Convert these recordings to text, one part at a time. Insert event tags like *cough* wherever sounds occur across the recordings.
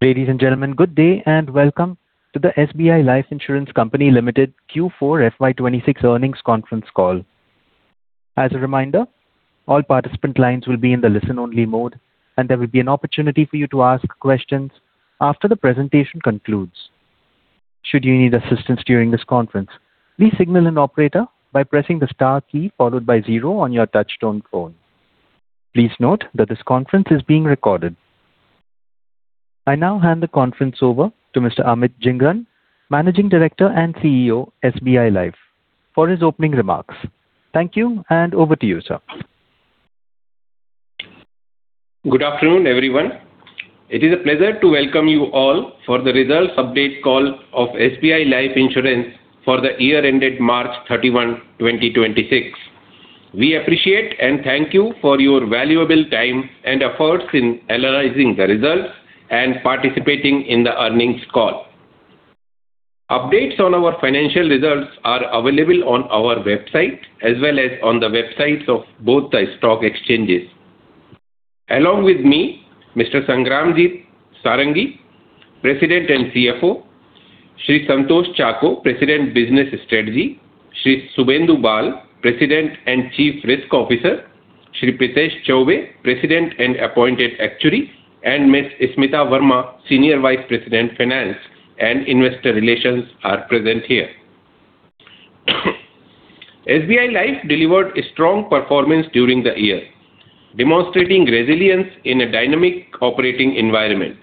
Ladies and gentlemen, good day and welcome to the SBI Life Insurance Company Limited Q4 FY 2026 earnings conference call. As a reminder, all participant lines will be in the listen-only mode, and there will be an opportunity for you to ask questions after the presentation concludes. Should you need assistance during this conference, please signal an operator by pressing the star key followed by zero on your touch-tone phone. Please note that this conference is being recorded. I now hand the conference over to Mr. Amit Jhingran, Managing Director and CEO, SBI Life, for his opening remarks. Thank you, and over to you, sir. Good afternoon, everyone. It is a pleasure to welcome you all for the results update call of SBI Life Insurance for the year ended March 31, 2026. We appreciate and thank you for your valuable time and efforts in analyzing the results and participating in the earnings call. Updates on our financial results are available on our website, as well as on the websites of both the stock exchanges. Along with me, Mr. Sangramjit Sarangi, President and CFO, Shri Santosh Chacko, President, Business Strategy, Shri Subhendu Bal, President and Chief Risk Officer, Shri Prithesh Chaubey, President and Appointed Actuary, and Miss Smita Verma, Senior Vice President, Finance and Investor Relations are present here. SBI Life delivered a strong performance during the year, demonstrating resilience in a dynamic operating environment.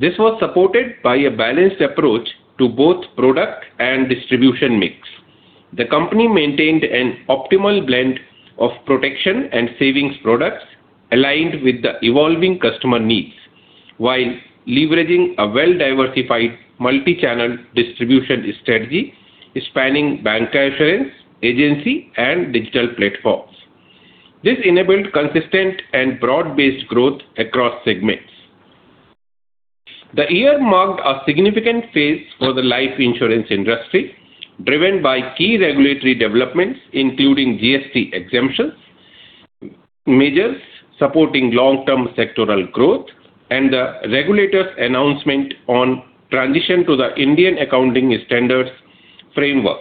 This was supported by a balanced approach to both product and distribution mix. The company maintained an optimal blend of protection and savings products aligned with the evolving customer needs, while leveraging a well-diversified multi-channel distribution strategy spanning bancassurance, agency, and digital platforms. This enabled consistent and broad-based growth across segments. The year marked a significant phase for the life insurance industry, driven by key regulatory developments, including GST exemptions, measures supporting long-term sectoral growth, and the regulator's announcement on transition to the Indian accounting standards framework,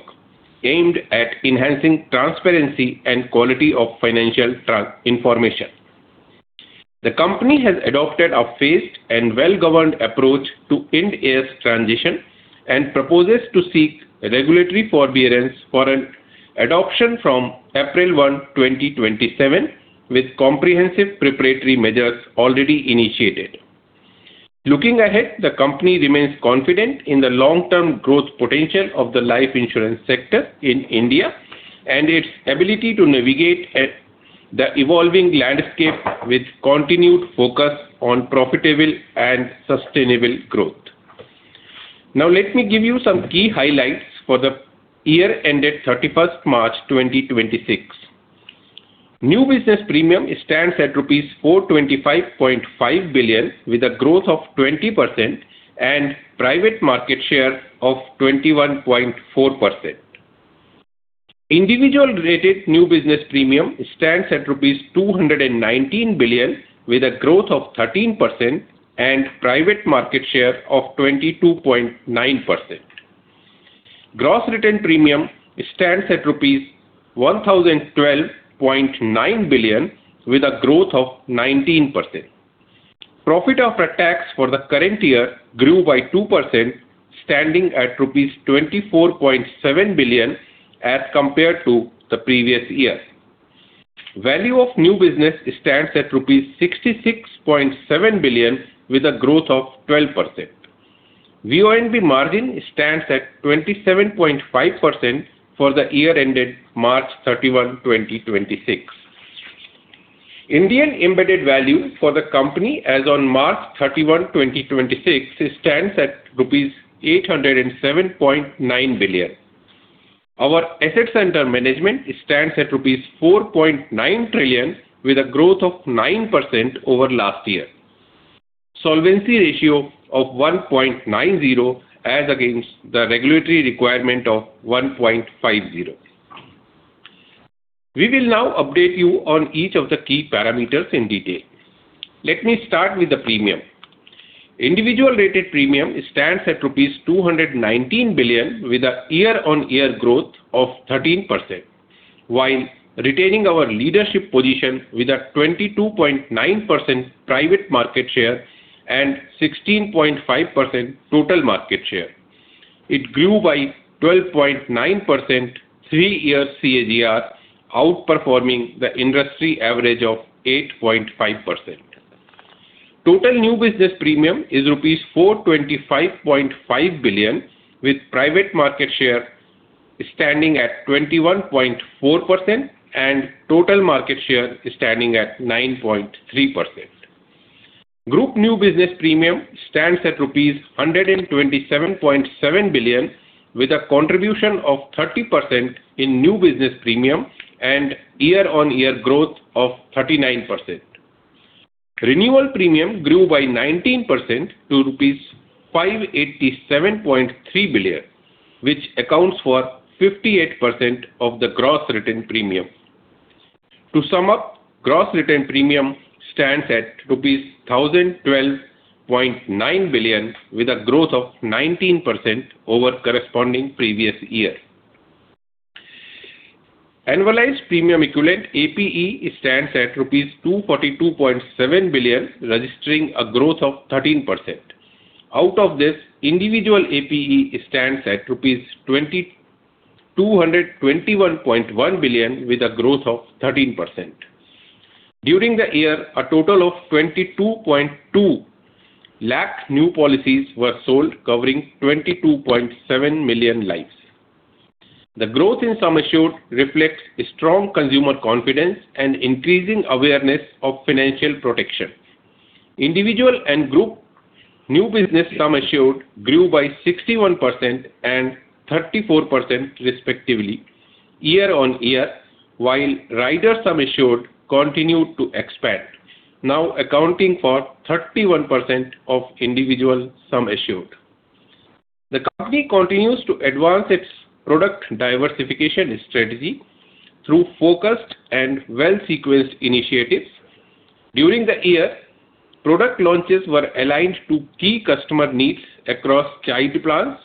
aimed at enhancing transparency and quality of financial information. The company has adopted a phased and well-governed approach to Ind AS transition and proposes to seek regulatory forbearance for an adoption from April 1, 2027, with comprehensive preparatory measures already initiated. Looking ahead, the company remains confident in the long-term growth potential of the life insurance sector in India and its ability to navigate the evolving landscape with continued focus on profitable and sustainable growth. Now, let me give you some key highlights for the year ended March 31st, 2026. New business premium stands at rupees 425.5 billion with a growth of 20% and private market share of 21.4%. Individual rated new business premium stands at rupees 219 billion with a growth of 13% and private market share of 22.9%. Gross written premium stands at rupees 1,012.9 billion with a growth of 19%. Profit after tax for the current year grew by 2%, standing at rupees 24.7 billion as compared to the previous year. Value of new business stands at rupees 66.7 billion with a growth of 12%. VONB margin stands at 27.5% for the year ended March 31, 2026. Indian embedded value for the company as on March 31, 2026, stands at rupees 807.9 billion. Our assets under management stands at rupees 4.9 trillion with a growth of 9% over last year. Solvency ratio of 1.90 as against the regulatory requirement of 1.50. We will now update you on each of the key parameters in detail. Let me start with the premium. Individual rated premium stands at 219 billion rupees with a year-on-year growth of 13%, while retaining our leadership position with a 22.9% private market share and 16.5% total market share. It grew by 12.9% three-year CAGR, outperforming the industry average of 8.5%. Total new business premium is rupees 425.5 billion with private market share standing at 21.4% and total market share standing at 9.3%. Group new business premium stands at rupees 127.7 billion with a contribution of 30% in new business premium and year-on-year growth of 39%. Renewal premium grew by 19% to 587.3 billion rupees, which accounts for 58% of the gross written premium. To sum up, gross written premium stands at rupees 1,012.9 billion with a growth of 19% over corresponding previous year. Annualized premium equivalent, APE, stands at 242.7 billion rupees, registering a growth of 13%. Out of this, individual APE stands at rupees 221.1 billion with a growth of 13%. During the year, a total of 22.2 lakh new policies were sold covering 22.7 million lives. The growth in sum assured reflects strong consumer confidence and increasing awareness of financial protection. Individual and group new business sum assured grew by 61% and 34% respectively year-on-year, while rider sum assured continued to expand, now accounting for 31% of individual sum assured. The company continues to advance its product diversification strategy through focused and well-sequenced initiatives. During the year, product launches were aligned to key customer needs across child plans,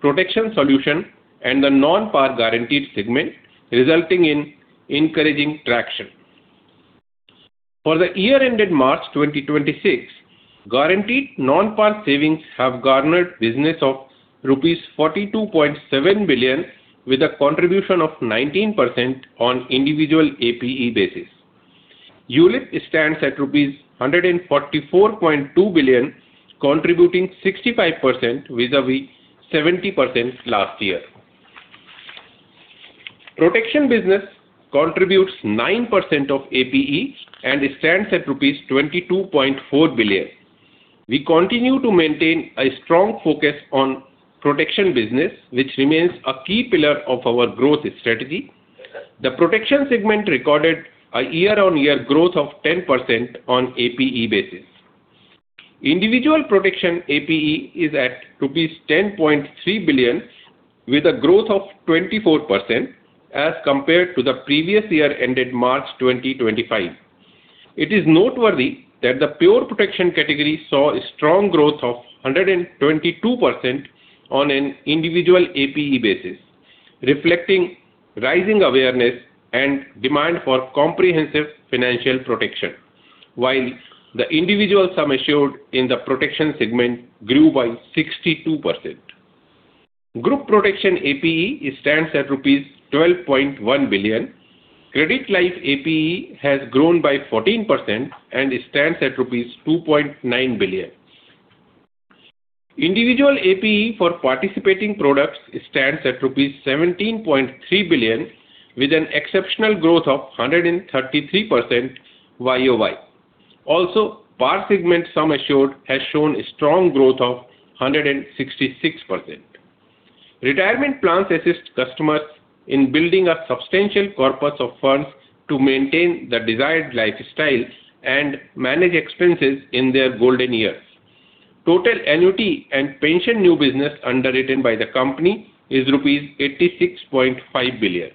protection solution, and the non-par guaranteed segment, resulting in encouraging traction. For the year ended March 2026, guaranteed non-par savings have garnered business of rupees 42.7 billion with a contribution of 19% on individual APE basis. ULIP stands at rupees 144.2 billion, contributing 65% vis-à-vis 70% last year. Protection business contributes 9% of APE and stands at rupees 22.4 billion. We continue to maintain a strong focus on protection business, which remains a key pillar of our growth strategy. The protection segment recorded a year-on-year growth of 10% on APE basis. Individual protection APE is at rupees 10.3 billion with a growth of 24% as compared to the previous year ended March 2025. It is noteworthy that the pure protection category saw a strong growth of 122% on an individual APE basis, reflecting rising awareness and demand for comprehensive financial protection. The individual sum assured in the protection segment grew by 62%. Group protection APE stands at rupees 12.1 billion. Credit life APE has grown by 14% and stands at rupees 2.9 billion. Individual APE for participating products stands at rupees 17.3 billion with an exceptional growth of 133% YOY. Par segment sum assured has shown a strong growth of 166%. Retirement plans assist customers in building a substantial corpus of funds to maintain the desired lifestyle and manage expenses in their golden years. Total annuity and pension new business underwritten by the company is rupees 86.5 billion.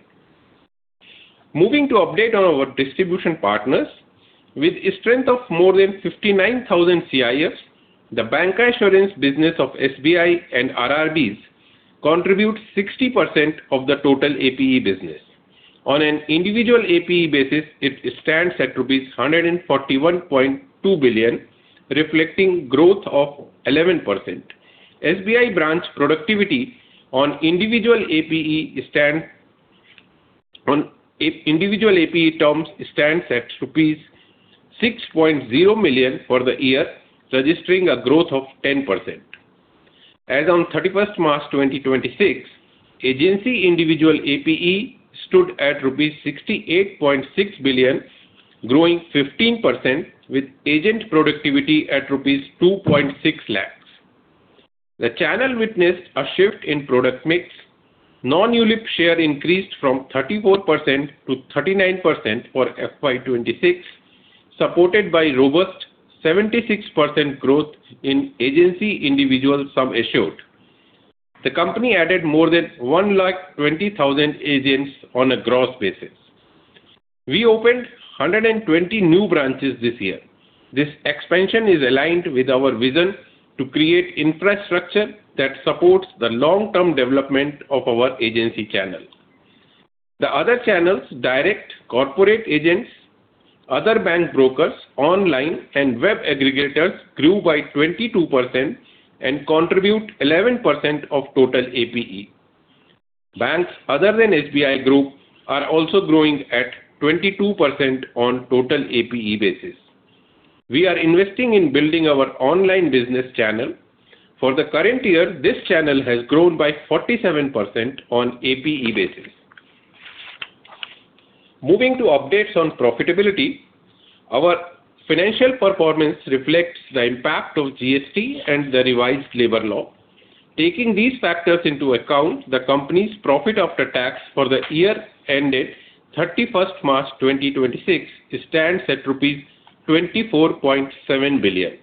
Moving to update on our distribution partners, with a strength of more than 59,000 CIFs, the Bancassurance business of SBI and RRBs contributes 60% of the total APE business. On an individual APE basis, it stands at rupees 141.2 billion, reflecting growth of 11%. SBI branch productivity on individual APE terms stands at rupees 6.0 million for the year, registering a growth of 10%. As on March 31st, 2026, agency individual APE stood at rupees 68.6 billion, growing 15% with agent productivity at rupees 2.6 lakhs. The channel witnessed a shift in product mix. Non-ULIP share increased from 34%-39% for FY 2026, supported by robust 76% growth in agency individual sum assured. The company added more than 120,000 agents on a gross basis. We opened 120 new branches this year. This expansion is aligned with our vision to create infrastructure that supports the long-term development of our agency channel. The other channels, direct, corporate agents, other bank brokers, online, and web aggregators grew by 22% and contribute 11% of total APE. Banks other than SBI Group are also growing at 22% on total APE basis. We are investing in building our online business channel. For the current year, this channel has grown by 47% on APE basis. Moving to updates on profitability, our financial performance reflects the impact of GST and the revised labor law. Taking these factors into account, the company's profit after tax for the year ended March 31st, 2026 stands at rupees 24.7 billion.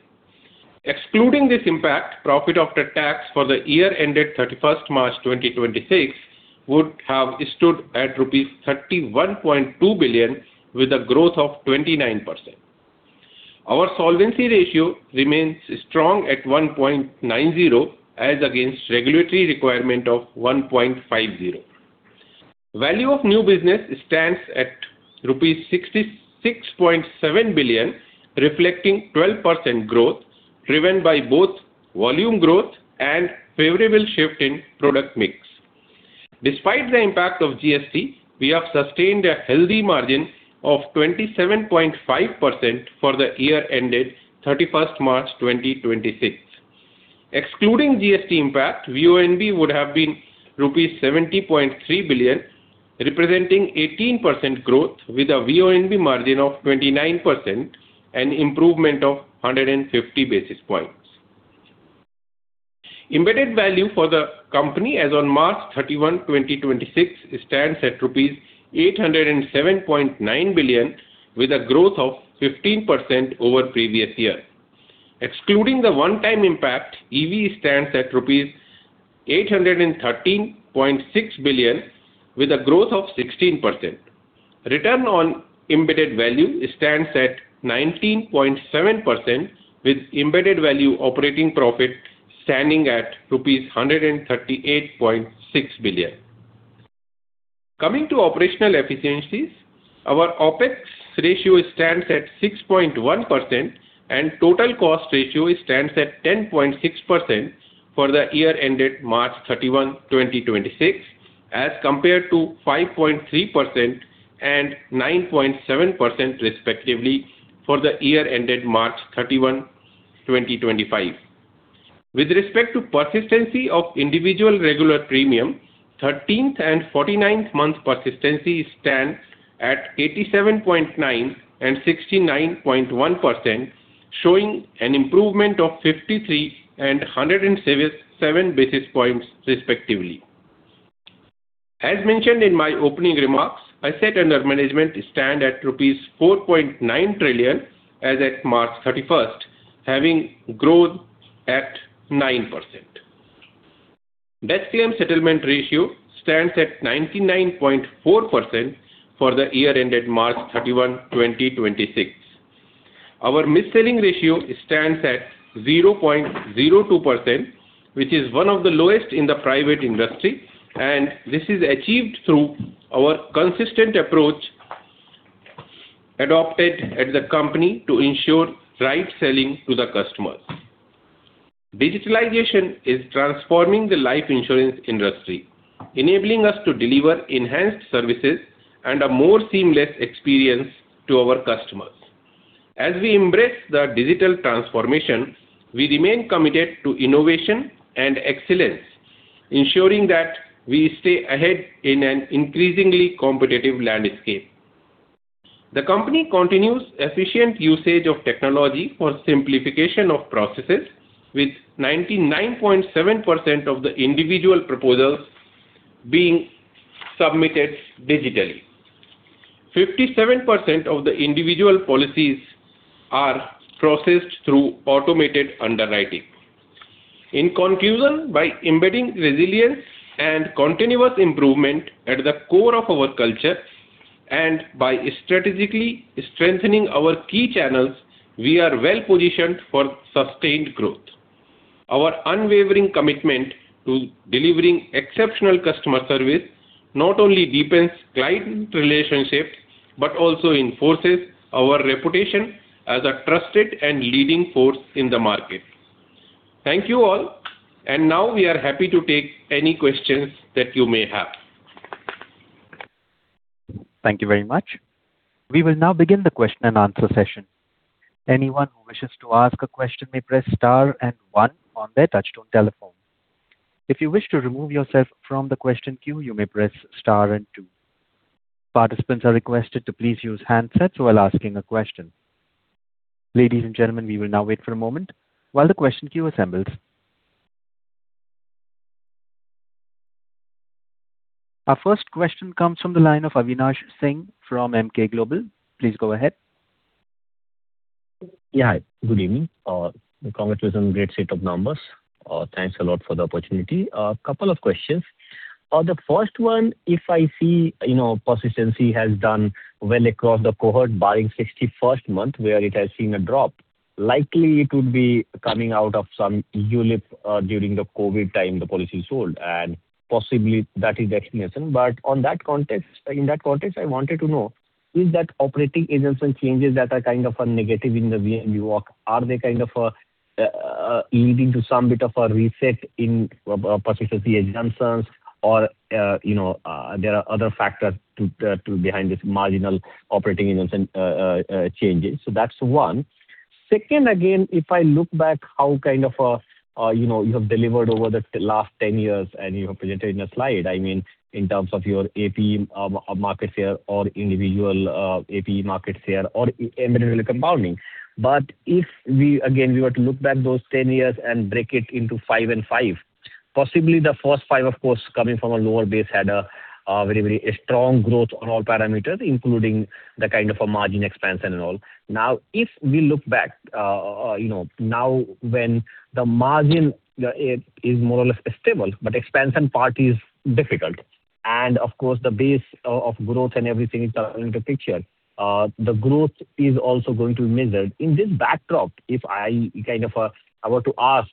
Excluding this impact, profit after tax for the year ended March 31st, 2026 would have stood at rupees 31.2 billion with a growth of 29%. Our solvency ratio remains strong at 1.90, as against regulatory requirement of 1.50. Value of new business stands at rupees 66.7 billion, reflecting 12% growth, driven by both volume growth and favorable shift in product mix. Despite the impact of GST, we have sustained a healthy margin of 27.5% for the year ended March 31st, 2026. Excluding GST impact, VONB would have been rupees 70.3 billion, representing 18% growth with a VONB margin of 29%, an improvement of 150 basis points. Embedded value for the company as on March 31, 2026, stands at rupees 807.9 billion with a growth of 15% over previous year. Excluding the one-time impact, EV stands at 813.6 billion rupees with a growth of 16%. Return on embedded value stands at 19.7%, with embedded value operating profit standing at rupees 138.6 billion. Coming to operational efficiencies, our OpEx ratio stands at 6.1% and total cost ratio stands at 10.6% for the year ended March 31, 2026, as compared to 5.3% and 9.7% respectively for the year ended March 31, 2025. With respect to persistency of individual regular premium, 13th and 49th month persistency stands at 87.9% and 69.1%, showing an improvement of 53 and 107 basis points respectively. As mentioned in my opening remarks, asset under management stand at rupees 4.9 trillion as at March 31st, having growth at 9%. Death claim settlement ratio stands at 99.4% for the year ended March 31, 2026. Our mis-selling ratio stands at 0.02%, which is one of the lowest in the private industry, and this is achieved through our consistent approach adopted at the company to ensure right selling to the customers. Digitalization is transforming the life insurance industry, enabling us to deliver enhanced services and a more seamless experience to our customers. As we embrace the digital transformation, we remain committed to innovation and excellence, ensuring that we stay ahead in an increasingly competitive landscape. The company continues efficient usage of technology for simplification of processes with 99.7% of the individual proposals being submitted digitally. 57% of the individual policies are processed through automated underwriting. In conclusion, by embedding resilience and continuous improvement at the core of our culture and by strategically strengthening our key channels, we are well-positioned for sustained growth. Our unwavering commitment to delivering exceptional customer service not only deepens client relationships but also enforces our reputation as a trusted and leading force in the market. Thank you all, and now we are happy to take any questions that you may have. Thank you very much. We will now begin the question and answer session. Anyone who wishes to ask a question may press star and one on their touchtone telephone. If you wish to remove yourself from the question queue, you may press star and two. Participants are requested to please use handsets while asking a question. Ladies and gentlemen, we will now wait for a moment while the question queue assembles. Our first question comes from the line of Avinash Singh from Emkay Global. Please go ahead. Yeah. Good evening. Congratulations on great set of numbers. Thanks a lot for the opportunity. A couple of questions. The first one, if I see persistency has done well across the cohort, barring 61st month, where it has seen a drop, likely it would be coming out of some ULIP during the COVID time the policy sold, and possibly that is the explanation. But in that context, I wanted to know, is that operating assumption changes that are kind of a negative in the VNB, are they kind of leading to some bit of a reset in persistency assumptions or there are other factors behind this marginal operating assumption changes? So that's one. Second, again, if I look back how you have delivered over the last 10 years, and you have presented in a slide, I mean, in terms of your APE market share or individual APE market share or embedded value compounding. If we, again, were to look back those 10 years and break it into five and five. Possibly the first five, of course, coming from a lower base, had a very strong growth on all parameters, including the kind of a margin expansion and all. Now, if we look back, now when the margin is more or less stable, but expansion part is difficult, and of course the base of growth and everything is coming into picture, the growth is also going to be measured. In this backdrop, if I were to ask,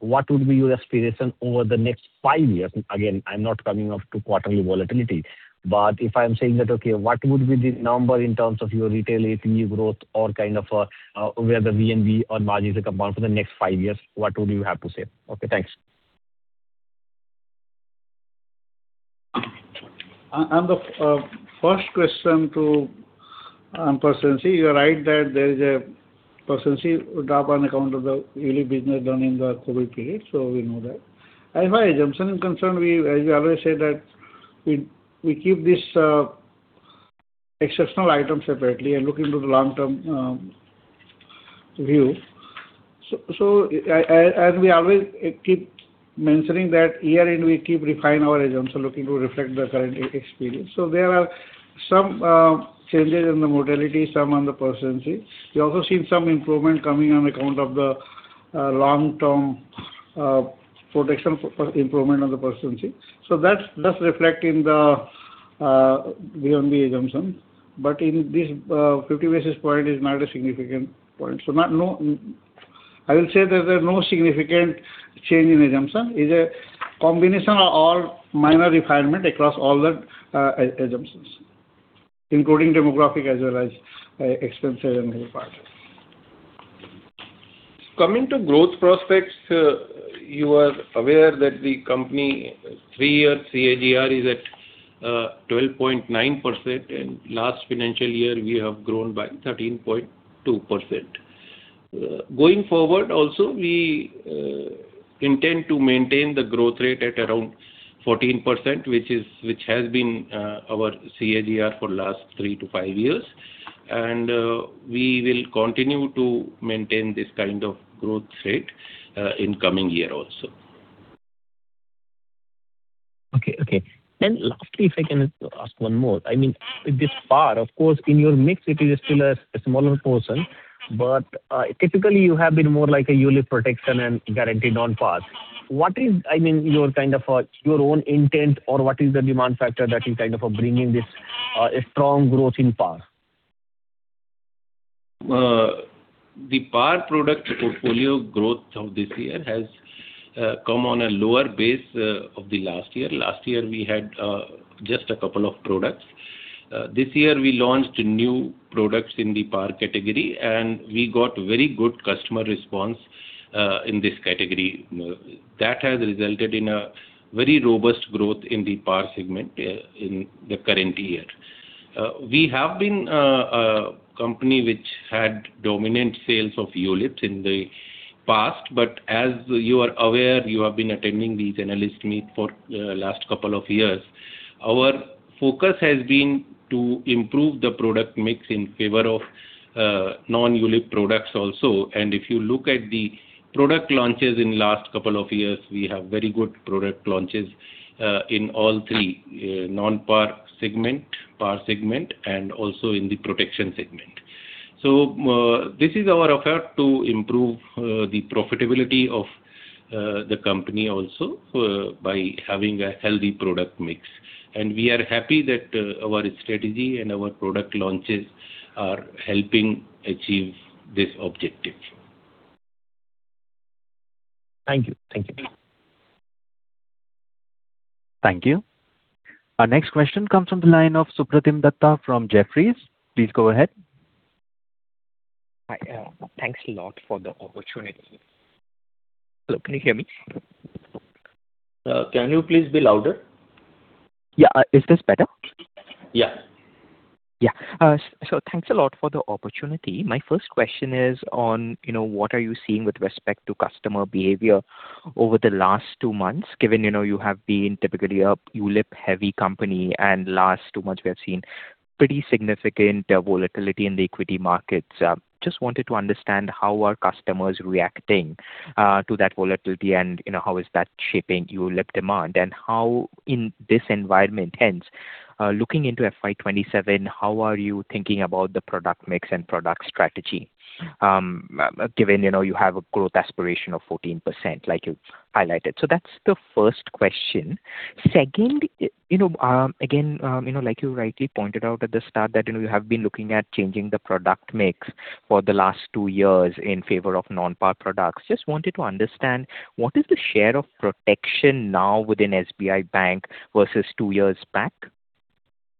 what would be your aspiration over the next five years? Again, I'm not coming off to quarterly volatility, but if I'm saying that, okay, what would be the number in terms of your retail APE growth or where the VNB on margin would come out for the next five years, what would you have to say? Okay, thanks. On the first question to persistency, you are right, persistency would drop on account of the early business done in the COVID period. We know that. As far as assumption is concerned, as we always say that we keep this exceptional item separately and looking to the long-term view. We always keep mentioning that year-end we keep refine our assumption, looking to reflect the current experience. There are some changes in the mortality, some on the persistency. We also seen some improvement coming on account of the long-term protection improvement on the persistency. That's reflect in the VNB assumption. In this, 50 basis point is not a significant point. I will say there is no significant change in assumption. Is a combination of all minor refinement across all the assumptions, including demographic as well as expense and other parts. Coming to growth prospects, you are aware that the company three year CAGR is at 12.9%, and last financial year we have grown by 13.2%. Going forward also, we intend to maintain the growth rate at around 14%, which has been our CAGR for last three to five years. We will continue to maintain this kind of growth rate in coming year also. Okay. Lastly, if I can ask one more. I mean, this PAR, of course, in your mix it is still a smaller portion, but typically you have been more like a ULIP protection and guaranteed on PAR. What is your own intent or what is the demand factor that is bringing this strong growth in PAR? The PAR product portfolio growth of this year has come on a lower base of the last year. Last year we had just a couple of products. This year we launched new products in the PAR category and we got very good customer response in this category. That has resulted in a very robust growth in the PAR segment in the current year. We have been a company which had dominant sales of ULIPs in the past, but as you are aware, you have been attending these analyst meet for last couple of years. Our focus has been to improve the product mix in favor of non-ULIP products also. If you look at the product launches in last couple of years, we have very good product launches in all three, non-PAR segment, PAR segment, and also in the protection segment. This is our effort to improve the profitability of the company also by having a healthy product mix. We are happy that our strategy and our product launches are helping achieve this objective. Thank you. Thank you. Our next question comes from the line of Supratim Dutta from Jefferies. Please go ahead. Hi. Thanks a lot for the opportunity. Hello, can you hear me? Can you please be louder? Yeah. Is this better? Yeah. Yeah. Thanks a lot for the opportunity. My first question is on what are you seeing with respect to customer behavior over the last two months, given you have been typically a ULIP-heavy company and last two months we have seen pretty significant volatility in the equity markets. Just wanted to understand how are customers reacting to that volatility and how is that shaping ULIP demand. How in this environment, hence, looking into FY 2027, how are you thinking about the product mix and product strategy, given you have a growth aspiration of 14% like you've highlighted? That's the first question. Second, again, like you rightly pointed out at the start that you have been looking at changing the product mix for the last two years in favor of non-PAR products. Just wanted to understand what is the share of protection now within SBI Bank versus two years back,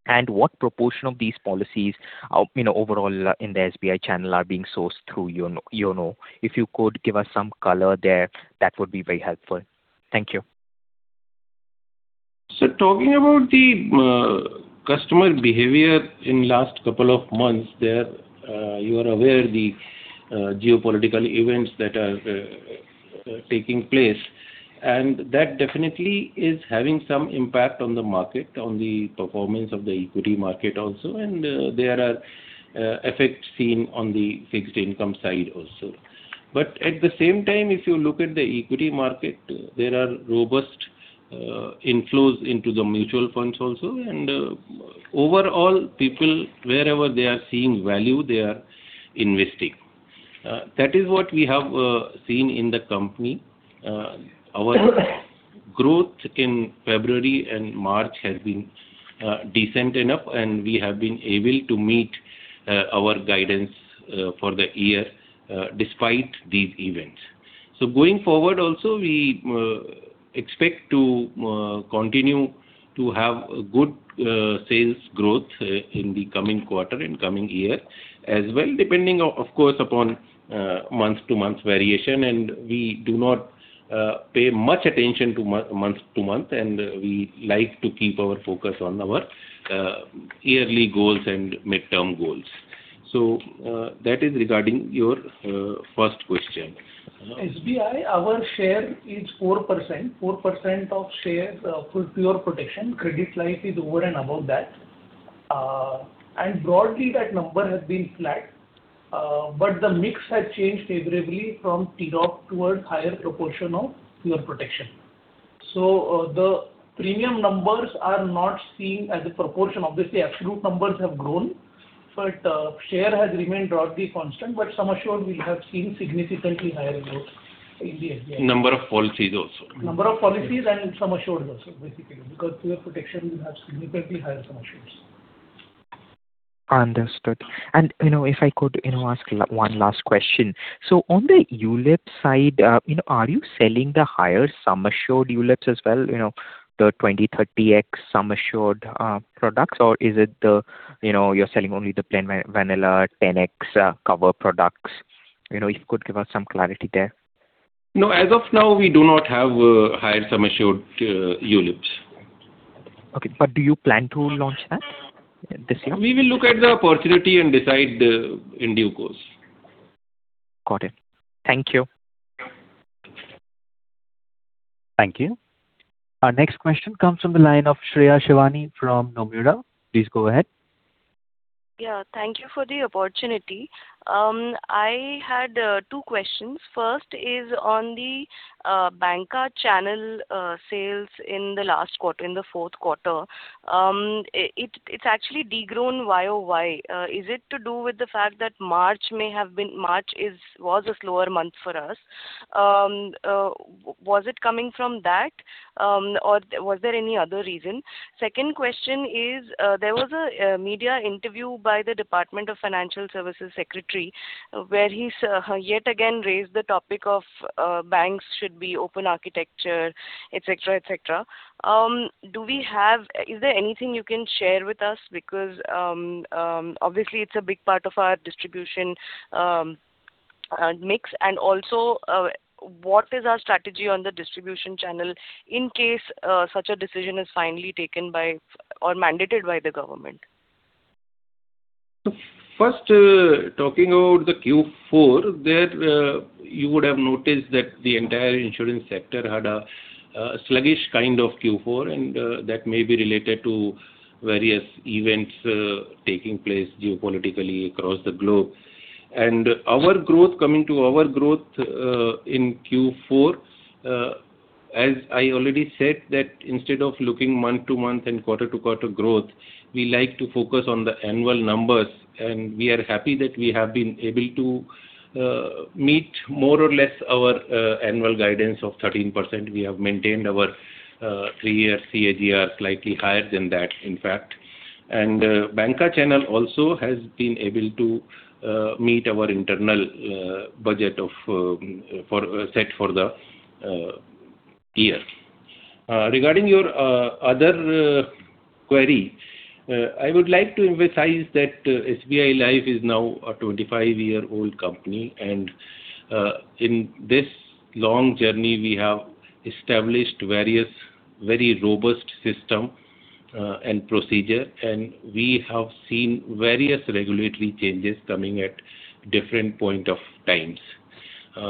and what proportion of these policies overall in the SBI channel are being sourced through YONO. If you could give us some color there, that would be very helpful. Thank you. Talking about the customer behavior in last couple of months there, you are aware the geopolitical events that are taking place, and that definitely is having some impact on the market, on the performance of the equity market also, and there are effects seen on the fixed income side also. But at the same time, if you look at the equity market, there are robust inflows into the mutual funds also. Overall, people, wherever they are seeing value, they are investing. That is what we have seen in the company. Our growth in February and March has been decent enough, and we have been able to meet our guidance for the year despite these events. Going forward also, we expect to continue to have good sales growth in the coming quarter and coming year as well, depending, of course, upon month-to-month variation and we do not pay much attention to month-to-month and we like to keep our focus on our yearly goals and midterm goals. That is regarding your first question. SBI, our share is 4%. 4% of shares for pure protection. Credit life is over and above that. Broadly that number has been flat. The mix has changed favorably from TROP towards higher proportion of pure protection. The premium numbers are not seen as a proportion. Obviously, absolute numbers have grown, but share has remained broadly constant, but sum assured we have seen significantly higher growth in the SBI. Number of policies also. Number of policies and sum assured also, basically because pure protection has significantly higher sum assureds. Understood. If I could ask one last question. On the ULIP side, are you selling the higher sum assured ULIPs as well, the 20x, 30x sum assured products, or is it you're selling only the plain vanilla 10x cover products? If you could give us some clarity there. No. As of now, we do not have higher sum assured ULIPs. Okay. Do you plan to launch that this year? We will look at the opportunity and decide in due course. Got it. Thank you. Thank you. Thank you. Our next question comes from the line of Shreya Shivani from Nomura. Please go ahead. Yeah, thank you for the opportunity. I had two questions. First is on the banker channel sales in the Q4. It's actually de-grown YOY. Is it to do with the fact that March was a slower month for us? Was it coming from that or was there any other reason? Second question is, there was a media interview by the Department of Financial Services secretary, where he yet again raised the topic of banks should be open architecture, et cetera. Is there anything you can share with us? Because obviously it's a big part of our distribution mix and also what is our strategy on the distribution channel in case such a decision is finally taken by or mandated by the government? First, talking about the Q4, there you would have noticed that the entire insurance sector had a sluggish kind of Q4, and that may be related to various events taking place geopolitically across the globe. Coming to our growth in Q4, as I already said that instead of looking month-to-month and quarter-to-quarter growth, we like to focus on the annual numbers, and we are happy that we have been able to meet more or less our annual guidance of 13%. We have maintained our three year CAGR, slightly higher than that in fact. Banker channel also has been able to meet our internal budget set for the year. Regarding your other query, I would like to emphasize that SBI Life is now a 25-year-old company, and in this long journey, we have established various very robust system and procedure, and we have seen various regulatory changes coming at different point of times.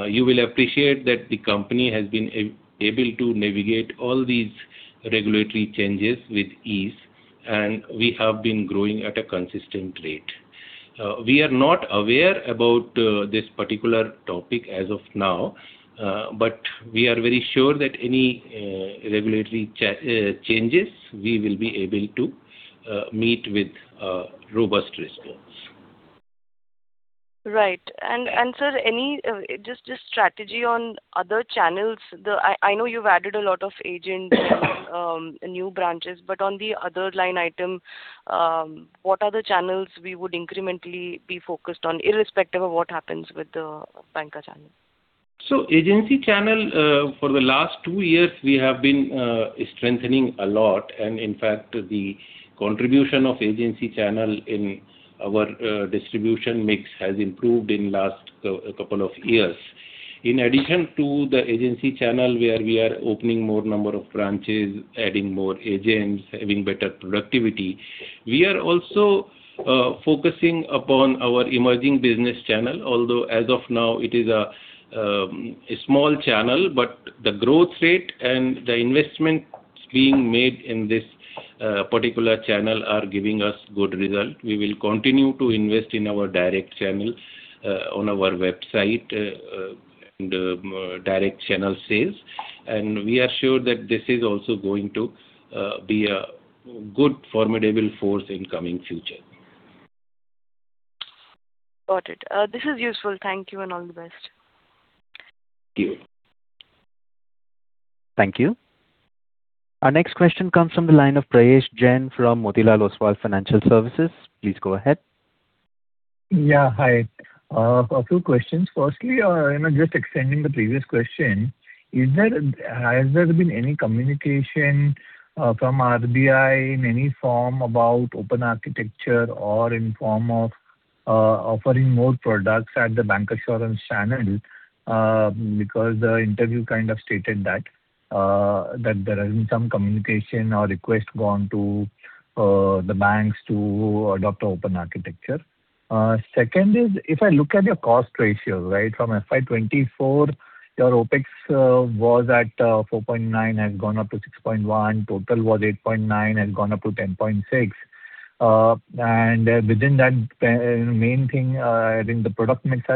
You will appreciate that the company has been able to navigate all these regulatory changes with ease, and we have been growing at a consistent rate. We are not aware about this particular topic as of now, but we are very sure that any regulatory changes, we will be able to meet with a robust response. Right. Sir, any just strategy on other channels. I know you've added a lot of agents and new branches, but on the other line item, what are the channels we would incrementally be focused on irrespective of what happens with the banker channel? Agency channel, for the last two years, we have been strengthening a lot, and in fact, the contribution of agency channel in our distribution mix has improved in last couple of years. In addition to the agency channel, where we are opening more number of branches, adding more agents, having better productivity, we are also focusing upon our emerging business channel. Although as of now it is a small channel, but the growth rate and the investments being made in this particular channel are giving us good result. We will continue to invest in our direct channels on our website and direct channel sales. We are sure that this is also going to be a good formidable force in coming future. Got it. This is useful. Thank you and all the best. Thank you. Thank you. Our next question comes from the line of Prayesh Jain from Motilal Oswal Financial Services. Please go ahead. Yeah. Hi. A few questions. Firstly, just extending the previous question, has there been any communication from RBI in any form about open architecture or in form of offering more products at the bancassurance channel? Because the interview kind of stated that there has been some communication or request gone to the banks to adopt open architecture. Second is, if I look at your cost ratio, right, from FY 2024, your OpEx was at 4.9%, has gone up to 6.1%. Total was 8.9%, has gone up to 10.6%. Within that main thing, I think the product mix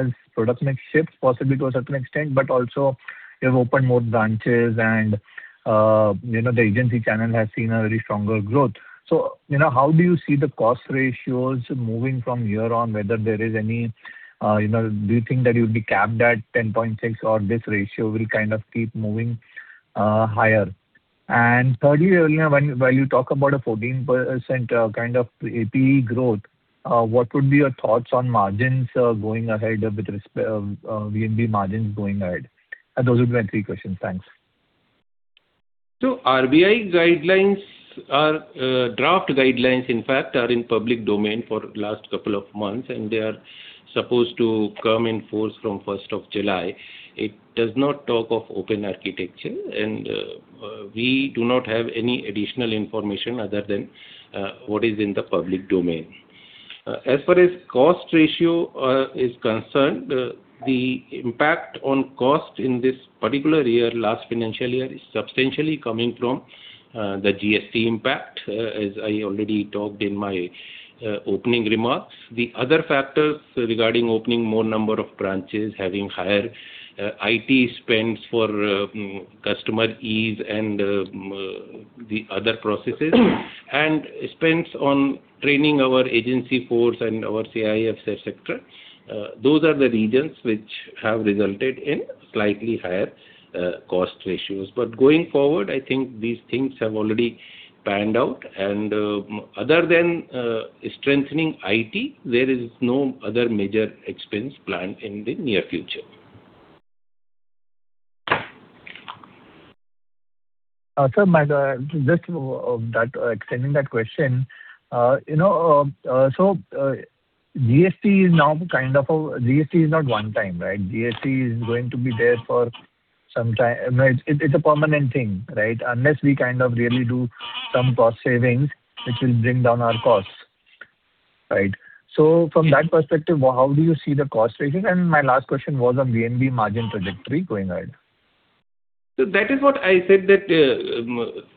shifts possibly to a certain extent, but also you've opened more branches and the agency channel has seen a very stronger growth. So, how do you see the cost ratios moving from here on, whether there is any. Do you think that you'll be capped at 10.6 or this ratio will kind of keep moving higher? Thirdly, while you talk about a 14% kind of APE growth, what would be your thoughts on margins going ahead with respect to VNB margins going ahead? Those would be my three questions. Thanks. RBI guidelines are draft guidelines, in fact, are in public domain for last couple of months, and they are supposed to come in force from July 1st. It does not talk of open architecture, and we do not have any additional information other than what is in the public domain. As far as cost ratio is concerned, the impact on cost in this particular year, last financial year, is substantially coming from the GST impact, as I already talked in my opening remarks. The other factors regarding opening more number of branches, having higher IT spends for customer ease and the other processes, and spends on training our agency force and our CIFs. Those are the reasons which have resulted in slightly higher cost ratios. Going forward, I think these things have already panned out. Other than strengthening IT, there is no other major expense planned in the near future. Sir, just extending that question. GST is not one time, right? GST is going to be there for some time. It's a permanent thing, right? Unless we kind of really do some cost savings, which will bring down our costs. Right. From that perspective, how do you see the cost savings? My last question was on VNB margin trajectory going ahead. That is what I said that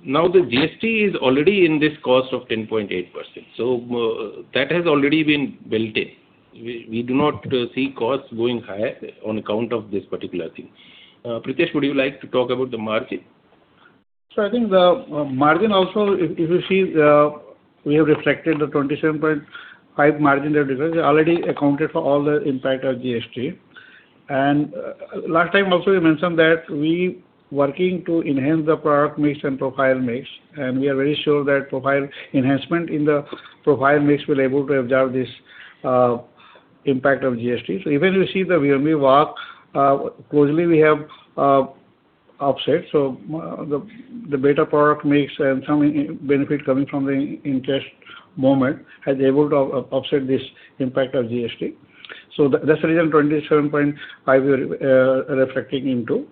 now the GST is already in this cost of 10.8%. That has already been built in. We do not see costs going higher on account of this particular thing. Prithesh, would you like to talk about the margin? I think the margin also, if you see, we have reflected the 27.5% margin that we already accounted for all the impact of GST. Last time also, we mentioned that we working to enhance the product mix and profile mix, and we are very sure that profile enhancement in the profile mix will able to absorb this impact of GST. Even you see the VNB Walk, closely we have offset, so the better product mix and some benefit coming from the interest movement has able to offset this impact of GST. That's the reason 27.5% we are reflecting into.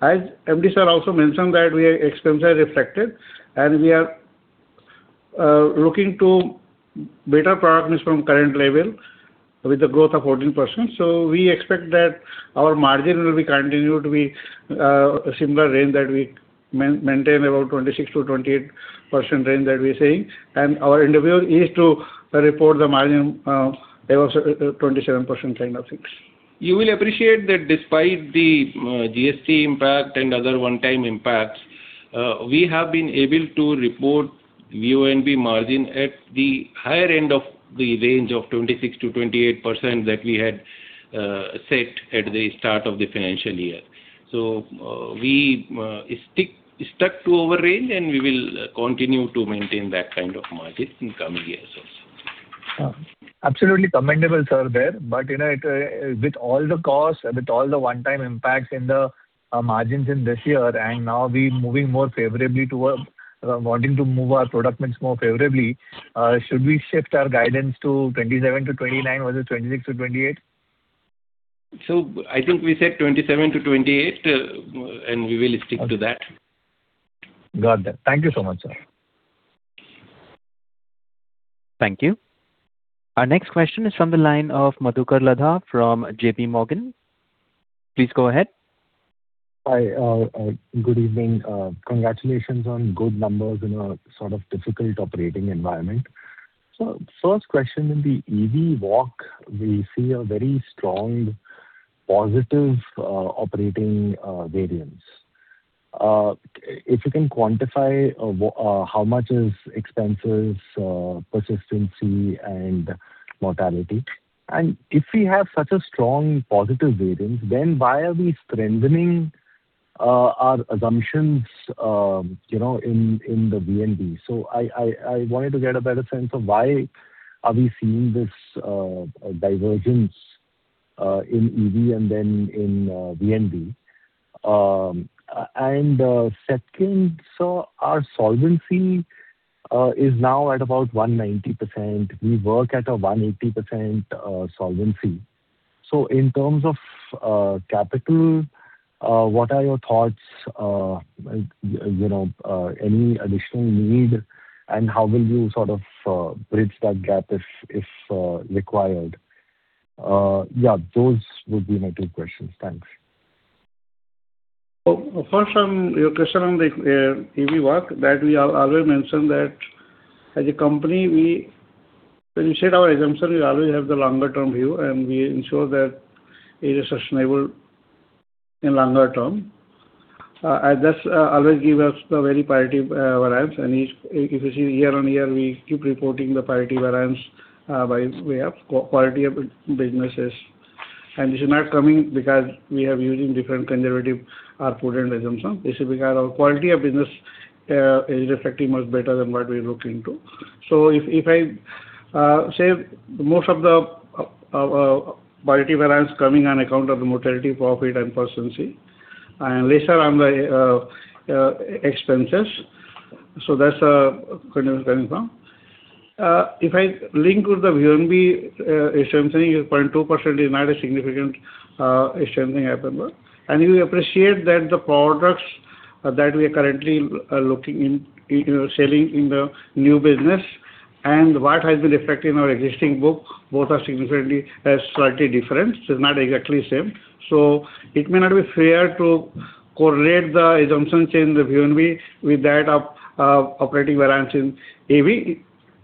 As MD sir also mentioned that our expense are reflected, and we are looking to better product mix from current level with the growth of 14%. We expect that our margin will be continued to be a similar range that we maintain about 26%-28% range that we're saying. Our endeavor is to report the margin of also 27% kind of things. You will appreciate that despite the GST impact and other one-time impacts, we have been able to report VNB margin at the higher end of the range of 26%-28% that we had set at the start of the financial year. We stuck to our range, and we will continue to maintain that kind of margin in coming years also. Absolutely commendable, sir, there. With all the costs, with all the one-time impacts in the margins in this year, and now we moving more favorably towards wanting to move our product mix more favorably, should we shift our guidance to 27%-29% versus 26%-28%? I think we said 27%-28%, and we will stick to that. Got that. Thank you so much, sir. Thank you. Our next question is from the line of Madhukar Ladha from JPMorgan. Please go ahead. Hi. Good evening. Congratulations on good numbers in a difficult operating environment. First question, in the EV walk, we see a very strong positive operating variance. If you can quantify how much is expenses, persistency, and mortality? If we have such a strong positive variance, then why are we strengthening our assumptions in the VNB? I wanted to get a better sense of why are we seeing this divergence in EV and then in VNB. Second, sir, our solvency is now at about 190%. We work at a 180% solvency. In terms of capital, what are your thoughts, any additional need, and how will you bridge that gap if required? Yeah, those would be my two questions. Thanks. First on your question on the EV work, that we have always mentioned that as a company, when we set our assumption, we always have the long-term view, and we ensure that it is sustainable in long-term. That's always give us the very positive variance. If you see year-on-year, we keep reporting the positive variance by way of quality of businesses. This is not coming because we are using different conservative or prudent assumption. This is because our quality of business is reflecting much better than what we looked into. If I say most of the positive variance coming on account of the mortality, morbidity and persistency, and lesser on the expenses. That's where it's coming from. If I link with the VNB assumption, 0.2% is not a significant assumption change. You appreciate that the products that we are currently selling in the new business and what has been affecting our existing book, both are slightly different. It's not exactly the same. It may not be fair to correlate the assumptions in the VNB with that of operating variance in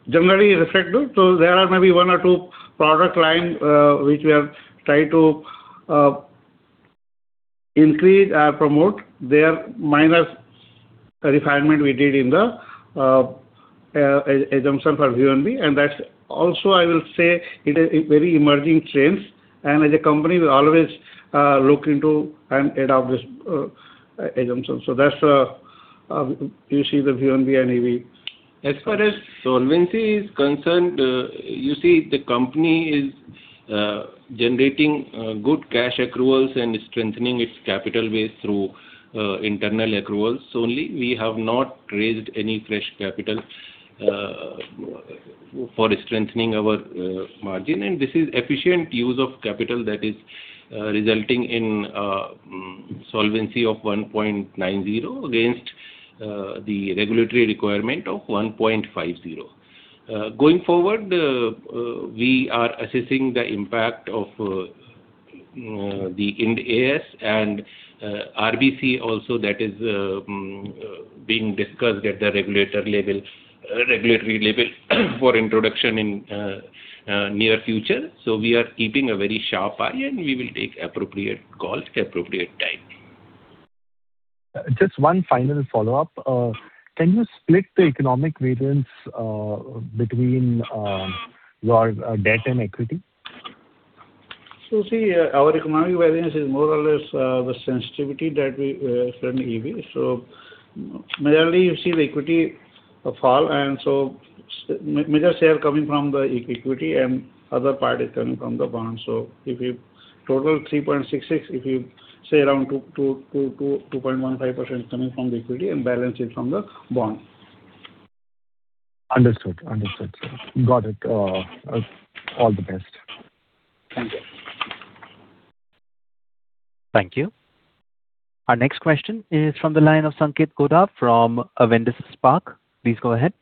EV. Generally reflective, there are maybe one or two product line which we have tried to increase or promote. They are minor refinement we did in the assumption for VNB. That's also, I will say, it is very emerging trends. As a company, we always look into and adopt this assumption. That's how you see the VNB and EV. As far as solvency is concerned, you see the company is generating good cash accruals and strengthening its capital base through internal accruals only. We have not raised any fresh capital for strengthening our margin. This is efficient use of capital that is resulting in a solvency of 1.90 against the regulatory requirement of 1.50. Going forward, we are assessing the impact of the Ind AS and RBC also that is being discussed at the regulatory level for introduction in near future. We are keeping a very sharp eye and we will take appropriate calls at appropriate time. Just one final follow-up. Can you split the economic variance between your debt and equity? See, our economic variance is more or less the sensitivity that we show in EV. Majority you see the equity fall, and so major share coming from the equity and other part is coming from the bond. If you total 3.66, if you say around 2.15% coming from the equity and balance is from the bond. Understood. Got it. All the best. Thank you. Thank you. Our next question is from the line of Sanket Godha from Avendus Spark. Please go ahead.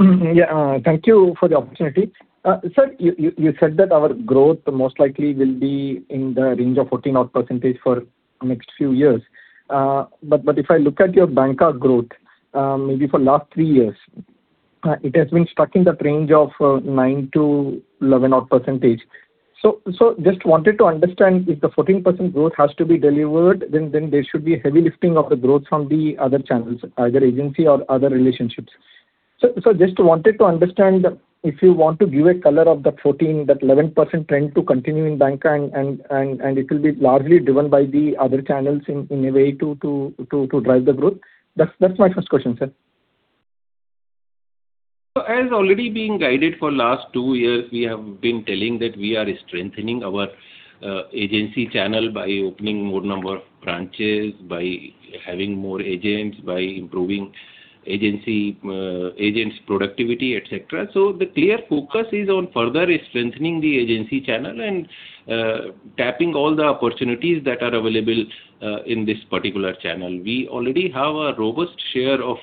Yeah. Thank you for the opportunity. Sir, you said that our growth most likely will be in the range of 14% for next few years. If I look at your banca growth, maybe for last three years, it has been stuck in that range of 9%-11%. Just wanted to understand if the 14% growth has to be delivered, then there should be heavy lifting of the growth from the other channels, either agency or other relationships. Just wanted to understand if you want to give a color of that 14%, that 11% trend to continue in banca and it will be largely driven by the other channels in a way to drive the growth. That's my first question, sir. As already being guided for last two years, we have been telling that we are strengthening our agency channel by opening more number of branches, by having more agents, by improving agents' productivity, et cetera. The clear focus is on further strengthening the agency channel and tapping all the opportunities that are available in this particular channel. We already have a robust share of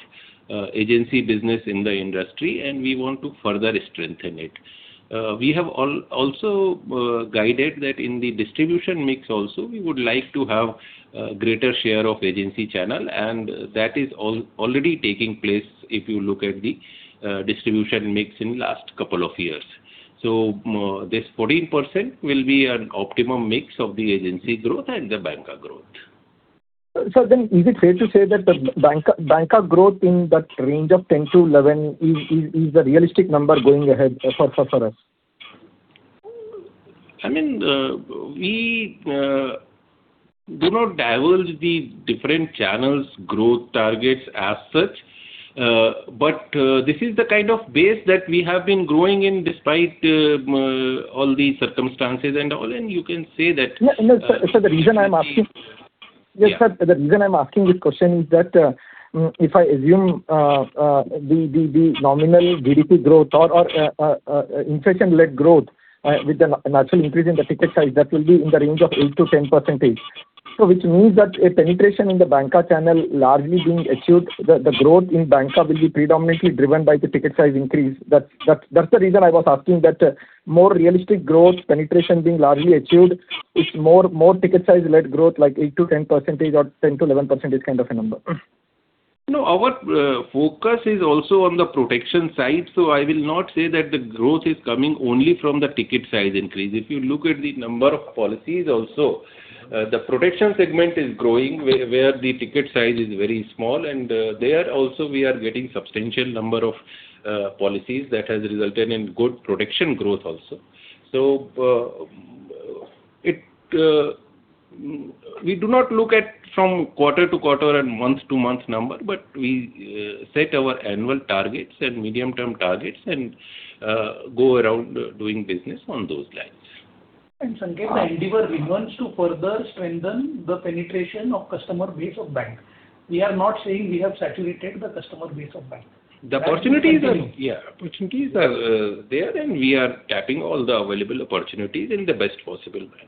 agency business in the industry, and we want to further strengthen it. We have also guided that in the distribution mix also, we would like to have a greater share of agency channel, and that is already taking place if you look at the distribution mix in last couple of years. This 14% will be an optimum mix of the agency growth and the banca growth. Sir, is it fair to say that the banca growth in that range of 10%-11% is a realistic number going ahead for us? We do not divulge the different channels growth targets as such. This is the kind of base that we have been growing in despite all the circumstances and all, and you can say that. No, sir. The reason I'm asking. Yeah. Yes, sir. The reason I'm asking this question is that if I assume the nominal GDP growth or inflation-led growth with the natural increase in the ticket size, that will be in the range of 8%-10%. Which means that a penetration in the banca channel largely being achieved, the growth in bancassurance will be predominantly driven by the ticket size increase. That's the reason I was asking that more realistic growth penetration being largely achieved, it's more ticket size-led growth, like 8%-10% or 10%-11% kind of a number. No, our focus is also on the protection side. I will not say that the growth is coming only from the ticket size increase. If you look at the number of policies also, the protection segment is growing where the ticket size is very small, and there also we are getting substantial number of policies that has resulted in good protection growth also. We do not look at from quarter-to-quarter and month-to-month number, but we set our annual targets and medium-term targets and go around doing business on those lines. And Sanket, the endeavor remains to further strengthen the penetration of customer base of bank. We are not saying we have saturated the customer base of bank. The opportunities are there, and we are tapping all the available opportunities in the best possible manner.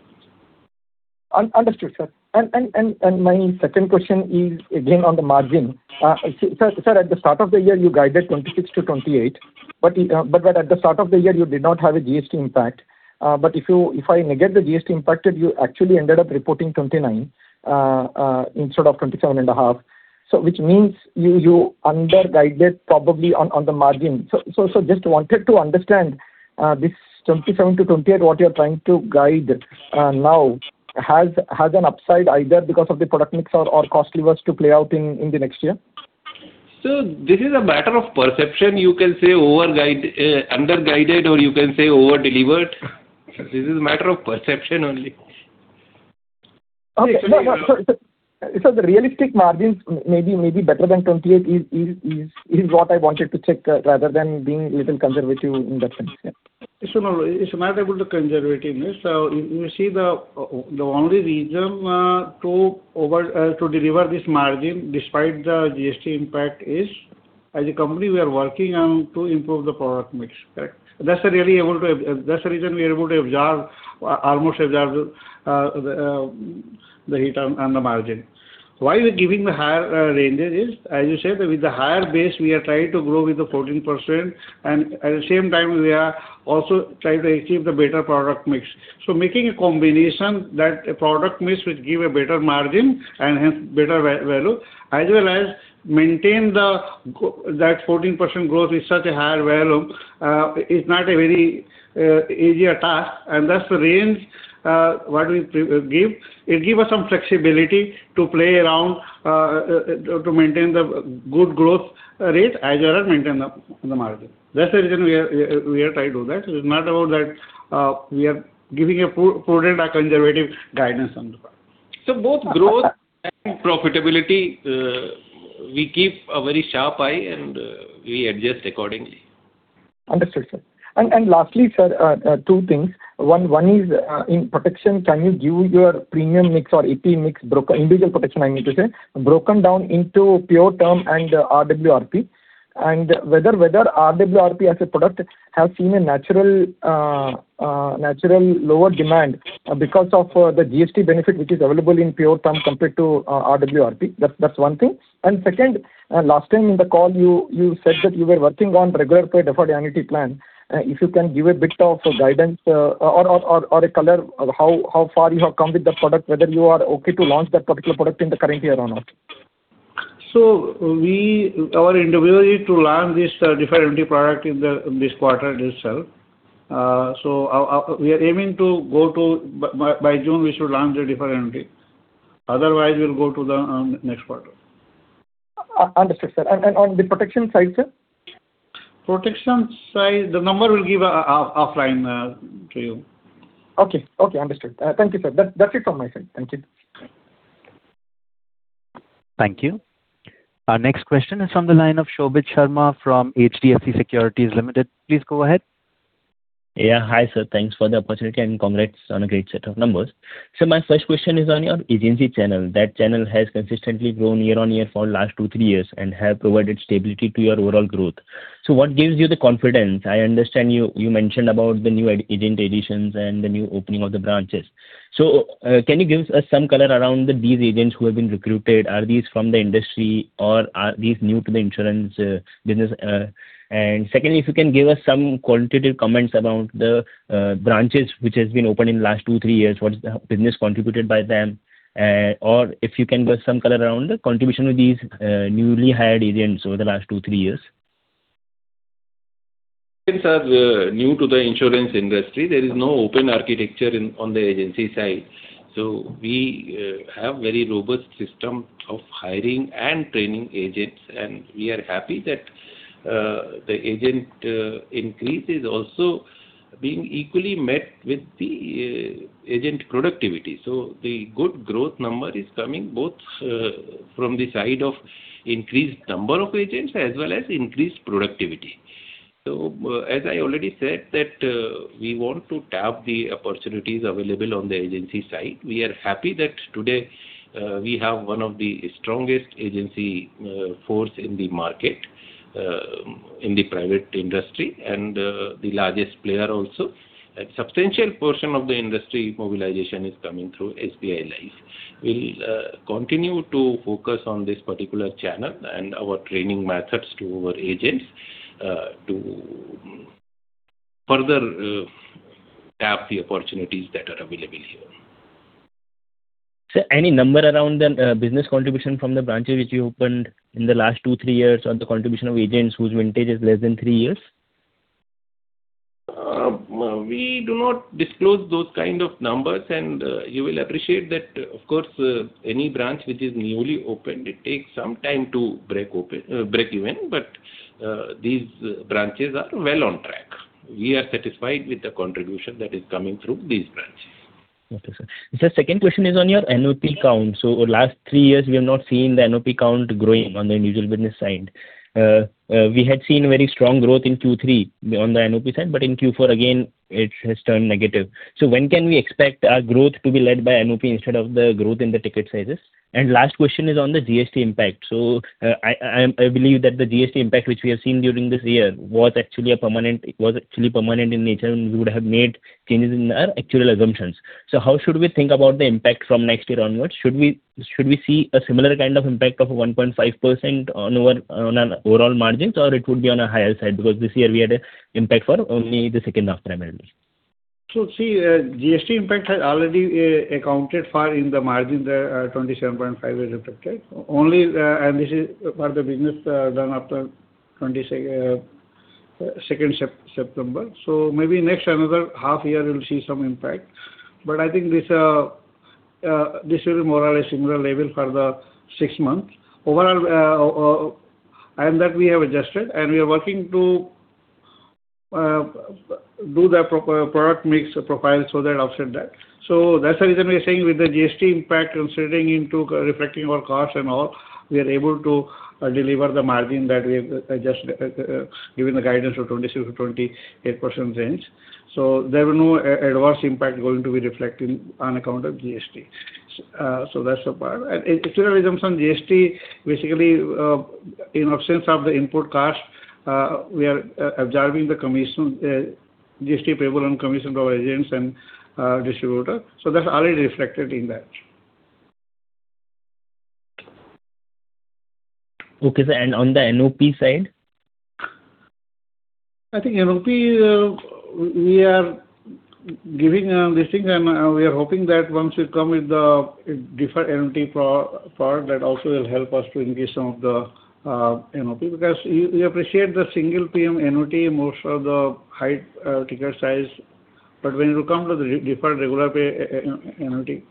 Understood, sir. My second question is, again, on the margin. Sir, at the start of the year, you guided 26%-28%. At the start of the year, you did not have a GST impact. If I negate the GST impact, you actually ended up reporting 29%, instead of 27.5%. Which means you underguided probably on the margin. Just wanted to understand this 27%-28% what you're trying to guide now has an upside either because of the product mix or cost levers to play out in the next year? This is a matter of perception. You can say underguided, or you can say over delivered. This is a matter of perception only. Okay. No, sir. Sir, the realistic margins may be better than 28% is what I wanted to check, rather than being little conservative in that sense. Yeah. It's not about the conservativeness. You see the only reason to deliver this margin despite the GST impact is, as a company, we are working on to improve the product mix. Correct? That's the reason we are able to absorb, almost absorb the hit on the margin. Why we're giving the higher ranges is, as you said, with the higher base, we are trying to grow with the 14%, and at the same time, we are also trying to achieve the better product mix. Making a combination that a product mix which give a better margin and hence better value, as well as maintain that 14% growth with such a higher value is not a very easy task. That's the range what we give. It give us some flexibility to play around to maintain the good growth rate as well as maintain the margin. That's the reason we are tied to that. It's not about that we are giving a prudent or conservative guidance on the product. Both growth and profitability, we keep a very sharp eye, and we adjust accordingly. Understood, sir. Lastly, sir, two things. One is, in protection, can you give your premium mix or AP mix, individual protection, I mean to say, broken down into pure term and RWRP? Whether RWRP as a product has seen a natural lower demand because of the GST benefit which is available in pure term compared to RWRP. That's one thing. Second, last time in the call you said that you were working on regular pay deferred annuity plan. If you can give a bit of guidance or a color of how far you have come with the product, whether you are okay to launch that particular product in the current year or not. Our endeavor is to launch this deferred annuity product in this quarter itself. We are aiming to go live by June. We should launch the deferred annuity. Otherwise, we'll go to the next quarter. Understood, sir. On the protection side, sir? Protection side, the number we'll give offline to you. Okay. Understood. Thank you, sir. That's it from my side. Thank you. Thank you. Our next question is from the line of Shobhit Sharma from HDFC Securities Limited. Please go ahead. Hi, sir. Thanks for the opportunity, and congrats on a great set of numbers. My first question is on your agency channel. That channel has consistently grown year on year for last two-three years and have provided stability to your overall growth. What gives you the confidence? I understand you mentioned about the new agent additions and the new opening of the branches. Can you give us some color around these agents who have been recruited? Are these from the industry or are these new to the insurance business? And secondly, if you can give us some qualitative comments about the branches which has been opened in last two-three years. What's the business contributed by them? Or if you can give some color around the contribution of these newly hired agents over the last two-three years. Agents are new to the insurance industry. There is no open architecture on the agency side. We have very robust system of hiring and training agents, and we are happy that the agent increase is also being equally met with the agent productivity. The good growth number is coming both from the side of increased number of agents as well as increased productivity. As I already said that we want to tap the opportunities available on the agency side. We are happy that today we have one of the strongest agency force in the market, in the private industry and the largest player also. A substantial portion of the industry mobilization is coming through SBI Life. We'll continue to focus on this particular channel and our training methods to our agents to further tap the opportunities that are available here. Sir, any number around the business contribution from the branches which you opened in the last two-three years, or the contribution of agents whose vintage is less than three years? We do not disclose those kind of numbers. You will appreciate that, of course, any branch which is newly opened, it takes some time to break even. These branches are well on track. We are satisfied with the contribution that is coming through these branches. Okay, sir. Sir, second question is on your NOP count. Last three years, we have not seen the NOP count growing on the individual business side. We had seen very strong growth in Q3 on the NOP side. In Q4 again, it has turned negative. When can we expect our growth to be led by NOP instead of the growth in the ticket sizes? Last question is on the GST impact. I believe that the GST impact which we have seen during this year was actually permanent in nature, and we would have made changes in our actual assumptions. How should we think about the impact from next year onwards? Should we see a similar kind of impact of 1.5% on overall margins or it would be on a higher side because this year we had an impact for only the second half primarily? See, GST impact has already accounted for in the margin, the 27.5 is reflected. This is for the business done after September 2nd. Maybe next another half year we'll see some impact. I think this will be more or less similar level for the six months. That we have adjusted, and we are working to do the product mix profile so that offset that. That's the reason we are saying with the GST impact considering into reflecting our costs and all, we are able to deliver the margin that we have just given the guidance of 26%-28% range. There were no adverse impact going to be reflecting on account of GST. That's the part. Actual assumption GST basically in absence of the input cost, we are absorbing the GST payable and commission for our agents and distributor. That's already reflected in that. Okay, sir. On the NOP side? I think NOP, we are giving this thing and we are hoping that once we come with the deferred annuity product, that also will help us to increase some of the NOP. Because we appreciate the single premium annuity, most of the high ticket size. When it will come to the deferred regular pay annuity,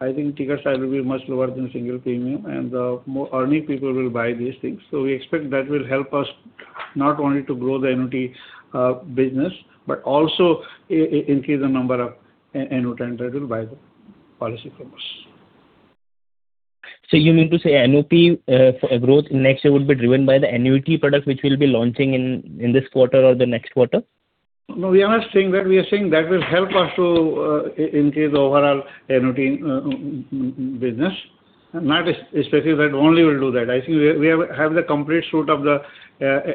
I think ticket size will be much lower than single premium, and the more earning people will buy these things. We expect that will help us not only to grow the annuity business, but also increase the number of annuitant that will buy the policy from us. You mean to say NOP growth next year will be driven by the annuity product which we'll be launching in this quarter or the next quarter? No, we are not saying that. We are saying that will help us to increase overall annuity business, not especially that only will do that. I think we have the complete suite of the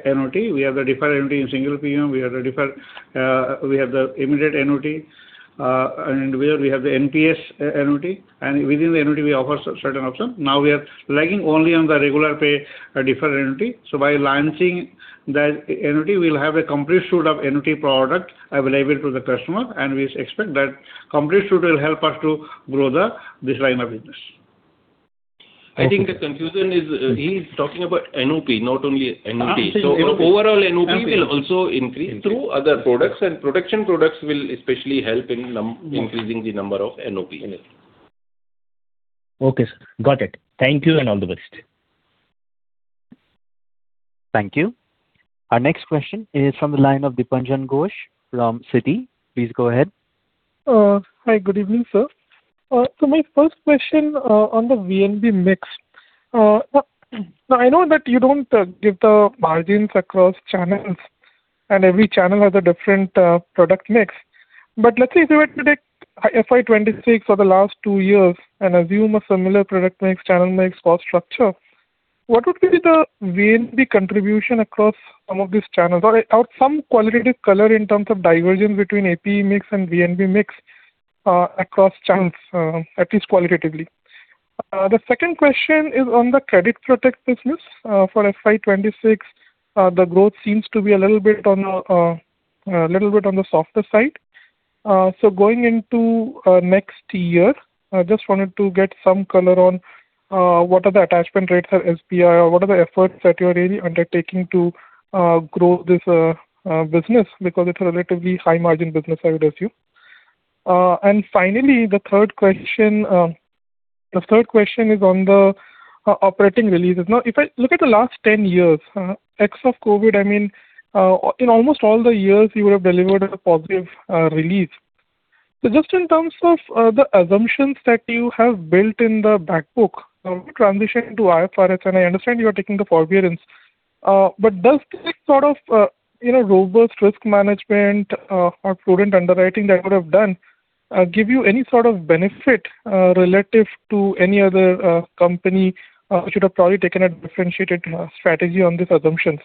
annuity. We have the deferred annuity in single premium. We have the immediate annuity, and we have the NPS annuity. Within the annuity, we offer certain option. Now we are lagging only on the regular pay deferred annuity. By launching that annuity, we'll have a complete suite of annuity product available to the customer, and we expect that complete suite will help us to grow this line of business. I think the confusion is he is talking about NOP, not only annuity. Overall NOP will also increase through other products, and protection products will especially help in increasing the number of NOP. Okay, sir. Got it. Thank you, and all the best. Thank you. Our next question is from the line of Dipanjan Ghosh from Citi. Please go ahead. Hi. Good evening, sir. My first question on the VNB mix. Now, I know that you don't give the margins across channels, and every channel has a different product mix. Let's say if you were to take FY 2026 for the last two years and assume a similar product mix, channel mix, cost structure, what would be the VNB contribution across some of these channels? Some qualitative color in terms of divergence between APE mix and VNB mix across channels, at least qualitatively. The second question is on the credit protect business for FY 2026. The growth seems to be a little bit on the softer side. Going into next year, I just wanted to get some color on what are the attachment rates for SBI or what are the efforts that you're really undertaking to grow this business, because it's a relatively high margin business, I would assume. Finally, the third question is on the operating releases. Now, if I look at the last 10 years, ex-COVID, I mean, in almost all the years you would have delivered a positive release. Just in terms of the assumptions that you have built in the back book, how do you transition into IFRS? I understand you are taking the forbearance, but does this sort of robust risk management or prudent underwriting that you would have done give you any sort of benefit relative to any other company who should have probably taken a differentiated strategy on these assumptions?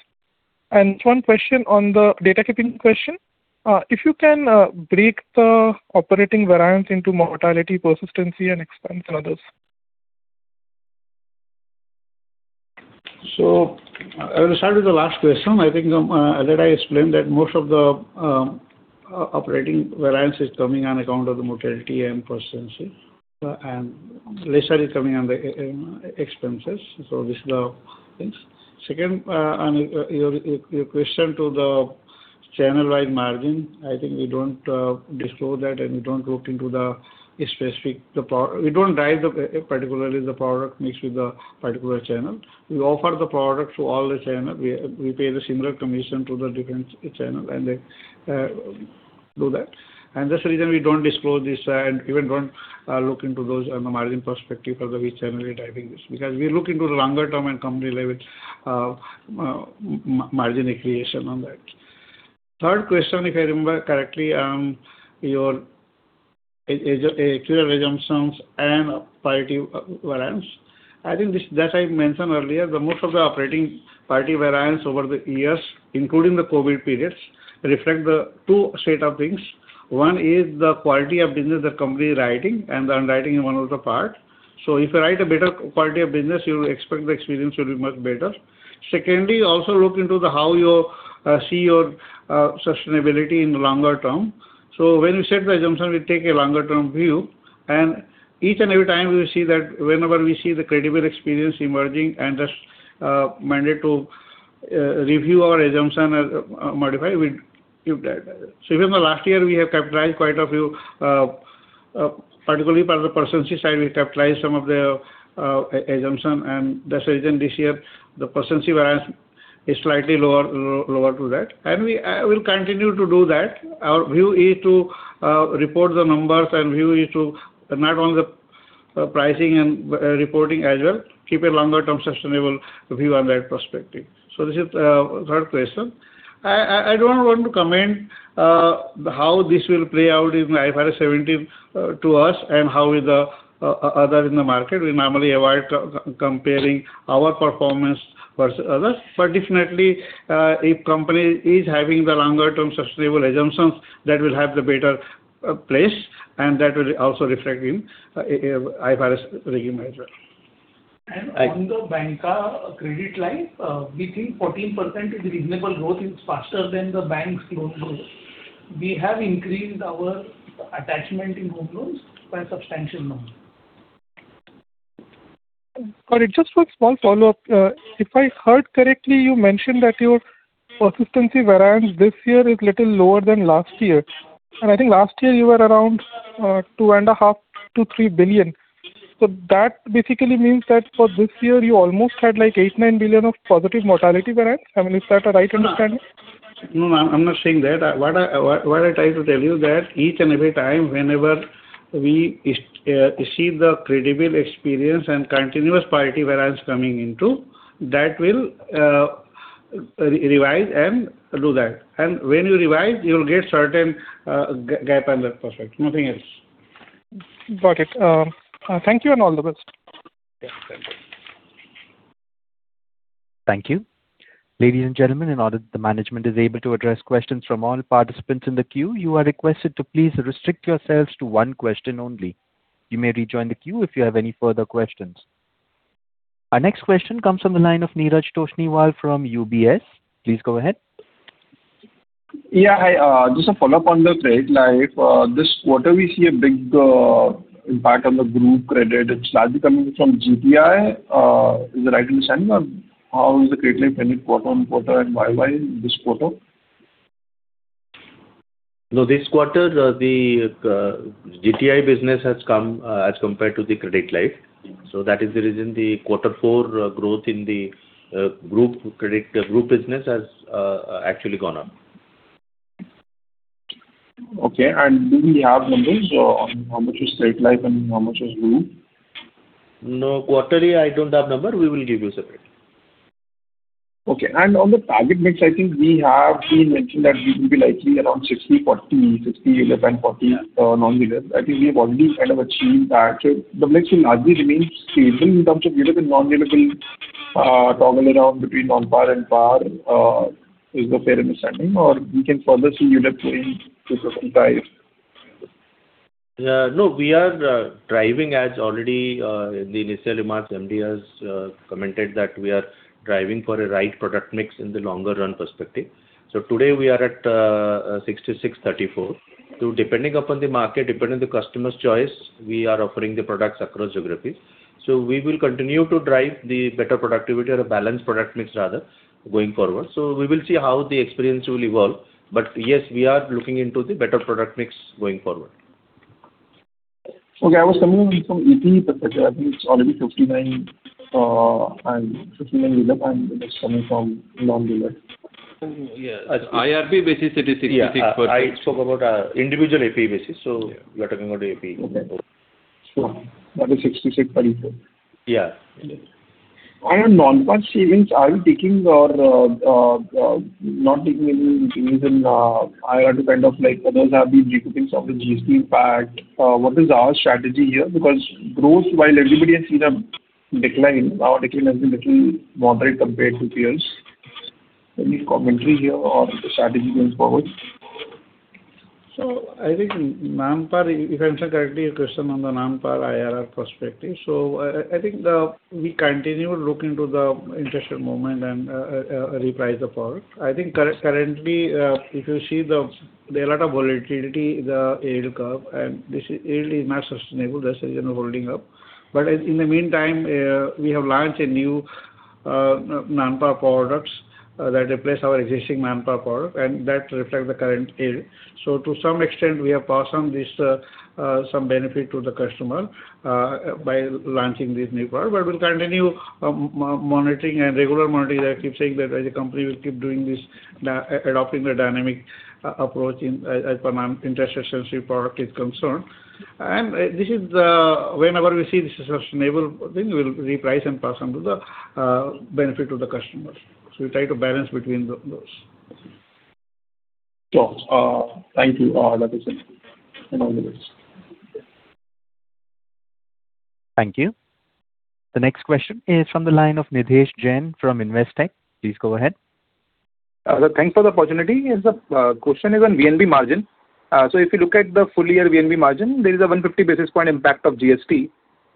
One question on the data keeping question. If you can break the operating variance into mortality, persistency, and expense and others. I will start with the last question. I think that I explained that most of the operating variance is coming on account of the mortality and persistency, and lesser is coming on the expenses. This is the thing. Second, on your question to the channel-wide margin, I think we don't disclose that. We don't drive particularly the product mix with the particular channel. We offer the product to all the channel. We pay the similar commission to the different channel, and they do that. That's the reason we don't disclose this and even don't look into those on the margin perspective for which channel we're driving this, because we look into the longer-term and company level margin creation on that. Third question, if I remember correctly, on your actuarial assumptions and quality variance. I think that I mentioned earlier that most of the operating profit variance over the years, including the COVID periods, reflect the two sets of things. One is the quality of business the company is writing and the underwriting is one of the parts. If you write a better quality of business, you expect the experience will be much better. Secondly, we also look into how you see your sustainability in the longer term. When we set the assumption, we take a longer term view, and each and every time we will see that whenever we see the credible experience emerging and that's mandated to review our assumption and modify, we give that. Even the last year, we have capitalized quite a few, particularly for the persistency side, we capitalize some of the assumption, and that's the reason this year the persistency variance is slightly lower than that. We'll continue to do that. Our view is to report the numbers, and the view is to not focus on the pricing and reporting as well, keep a longer-term sustainable view on that perspective. This is the third question. I don't want to comment how this will play out in IFRS 17 for us and how the others in the market. We normally avoid comparing our performance versus others. Definitely, if the company is having the longer-term sustainable assumptions, that will be in a better place, and that will also reflect in the IFRS regime as well. On the banca credit line, we think 14% is reasonable growth, it's faster than the bank's loan growth. We have increased our attachment in home loans by a substantial amount. Got it. Just one small follow-up. If I heard correctly, you mentioned that your persistency variance this year is little lower than last year. I think last year you were around 2.5 billion-3 billion. That basically means that for this year, you almost had like 8 billion-9 billion of positive mortality variance. I mean, is that a right understanding? No, I'm not saying that. What I try to tell you that each and every time, whenever we see the credible experience and continuous positive variance coming into, that will revise and do that. When you revise, you'll get certain gap in that perspective. Nothing else. Got it. Thank you and all the best. Yeah, thank you. Thank you. Ladies and gentlemen, in order that the management is able to address questions from all participants in the queue, you are requested to please restrict yourselves to one question only. You may rejoin the queue if you have any further questions. Our next question comes from the line of Neeraj Toshniwal from UBS. Please go ahead. Yeah. Hi. Just a follow-up on the credit line. This quarter, we see a big impact on the group credit. It's largely coming from GPI. Is that the right understanding, or how is the credit line panic quarter-on-quarter and why this quarter? No, this quarter, the GTI business has come as compared to the credit life. That is the reason the quarter four growth in the group business has actually gone up. Okay. Do we have numbers on how much is straight life and how much is group? No. Quarterly, I don't have number. We will give you separate. Okay. On the target mix, I think we have been mentioning that we will be likely around 60/40, 60 yield and 40 non-yield. I think we have already kind of achieved that. The mix will largely remain stable in terms of yield and non-yield will toggle around between non-par and par is the fair understanding, or we can further see yield change to some size? No. We are driving as already in the initial remarks, MD has commented that we are driving for a right product mix in the longer run perspective. Today we are at 66-34. Depending upon the market, depending on the customer's choice, we are offering the products across geographies. We will continue to drive the better productivity or a balanced product mix rather, going forward. We will see how the experience will evolve. Yes, we are looking into the better product mix going forward. Okay. I was coming from APE perspective. I think it's already 59 yield and the rest coming from non-yield. Yeah. IRP basis, it is 66. Yeah. I spoke about individual APE basis. You are talking about APE. That is 66-34. Yeah, it is. On non-par savings, are you taking or not taking any changes in IRR to kind of like others have been de-coupling of the GST impact? What is our strategy here? Because growth, while everybody has seen a decline, our decline has been little moderate compared to peers. Any commentary here or the strategy going forward? I think non-par, if I answer correctly your question on the non-par IRR perspective. I think we continue to look into the interest rate movement and reprice the product. I think currently, if you see there are a lot of volatility in the yield curve, and this yield is not sustainable. That's the reason we're holding up. In the meantime, we have launched new non-par products that replace our existing non-par product, and that reflect the current yield. To some extent, we have passed on some benefit to the customer by launching this new product. We'll continue monitoring and regular monitoring. I keep saying that as a company, we'll keep doing this, adopting the dynamic approach as per interest rate sensitive product is concerned. Whenever we see this is a sustainable thing, we'll reprice and pass on the benefit to the customers. We try to balance between those. Sure. Thank you. That is it. All the best. Thank you. The next question is from the line of Nidhesh Jain from Investec. Please go ahead. Thanks for the opportunity. Yes, sir. Question is on VNB margin. If you look at the full year VNB margin, there is a 150 basis points impact of GST.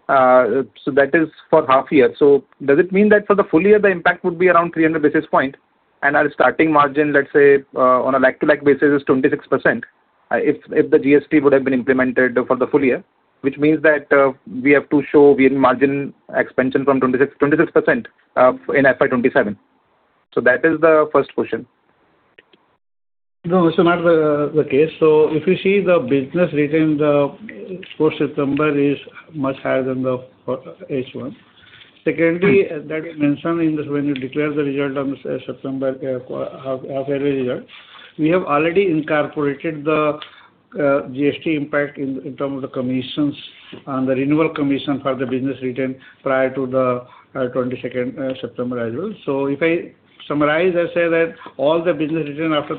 That is for half year. Does it mean that for the full year, the impact would be around 300 basis points? Our starting margin, let's say, on a like-for-like basis is 26%. If the GST would have been implemented for the full year, which means that we have to show VNB margin expansion from 26% in FY 2027. That is the first question. No, it's not the case. If you see the business retained post September is much higher than the H1. Secondly, we mentioned this when we declared the half-yearly result in September. We have already incorporated the GST impact in terms of the commissions on the renewal commission for the business retained prior to the September 22nd as well. If I summarize, I say that all the business retained after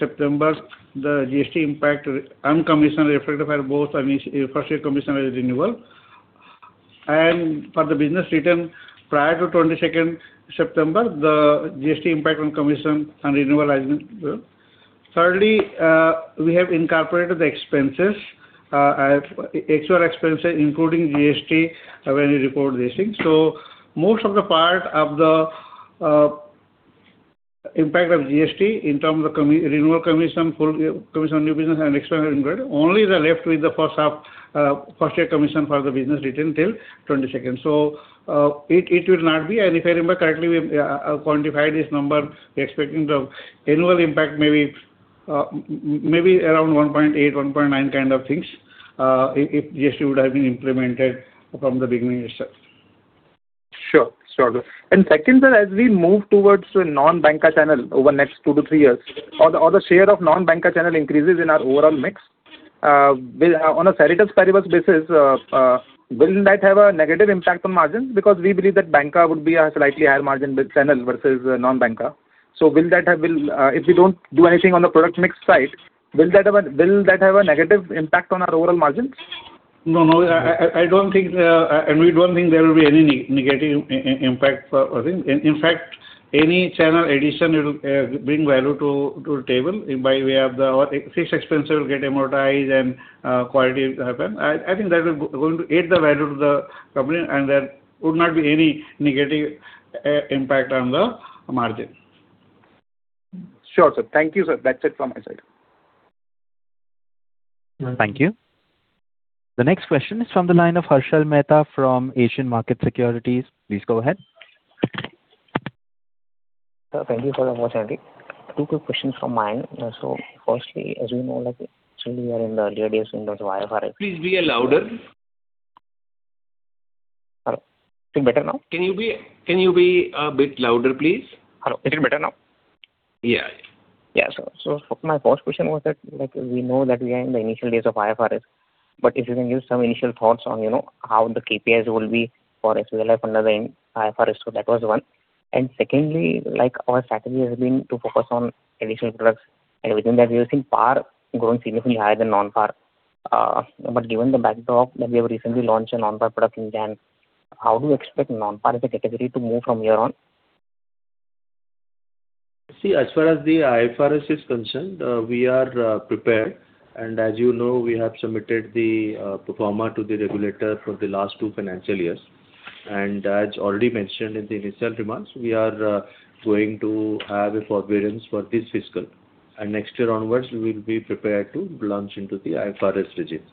September 22nd, the GST impact and commission reflected for both first-year commission and renewal. For the business retained prior to September 22nd, the GST impact on commission and renewal as well. Thirdly, we have incorporated the actual expenses including GST when we report these things. Most of the part of the impact of GST in terms of renewal commission on new business and external incurred, only they are left with the first year commission for the business written till 2022. It will not be, and if I remember correctly, we have quantified this number. We're expecting the annual impact maybe around 1.8-1.9 kind of things if GST would have been implemented from the beginning itself. Sure. Second, sir, as we move towards a non-banker channel over the next two-three years or the share of non-banker channel increases in our overall mix. On a ceteris paribus basis, wouldn't that have a negative impact on margin? Because we believe that banker would be a slightly higher margin channel versus non-banker. If we don't do anything on the product mix side, will that have a negative impact on our overall margins? No. I don't think, and we don't think there will be any negative impact for us. In fact, any channel addition will bring value to the table by way of the fixed expense will get amortized and quality. I think that is going to add value to the company, and there would not be any negative impact on the margin. Sure, sir. Thank you, sir. That's it from my side. Thank you. The next question is from the line of Harshal Mehta from Asian Market Securities. Please go ahead. Thank you for the opportunity. Two quick questions from mine. Firstly, as we know, actually we are in the early days in terms of IFRS. Please be louder. Hello. Is it better now? Can you be a bit louder, please? Hello. Is it better now? Yeah. Yeah. My first question was that we know that we are in the initial days of IFRS, but if you can give some initial thoughts on how the KPIs will be for *audio distortion* IFRS. That was one. Secondly, our strategy has been to focus on additional products, and within that, we have seen par growing significantly higher than non-par. Given the backdrop that we have recently launched a non-par product in January, how do you expect non-par as a category to move from here on? See, as far as the IFRS is concerned, we are prepared. As you know, we have submitted the pro forma to the regulator for the last two financial years. As already mentioned in the initial remarks, we are going to have a forbearance for this fiscal. Next year onwards, we will be prepared to launch into the IFRS regime.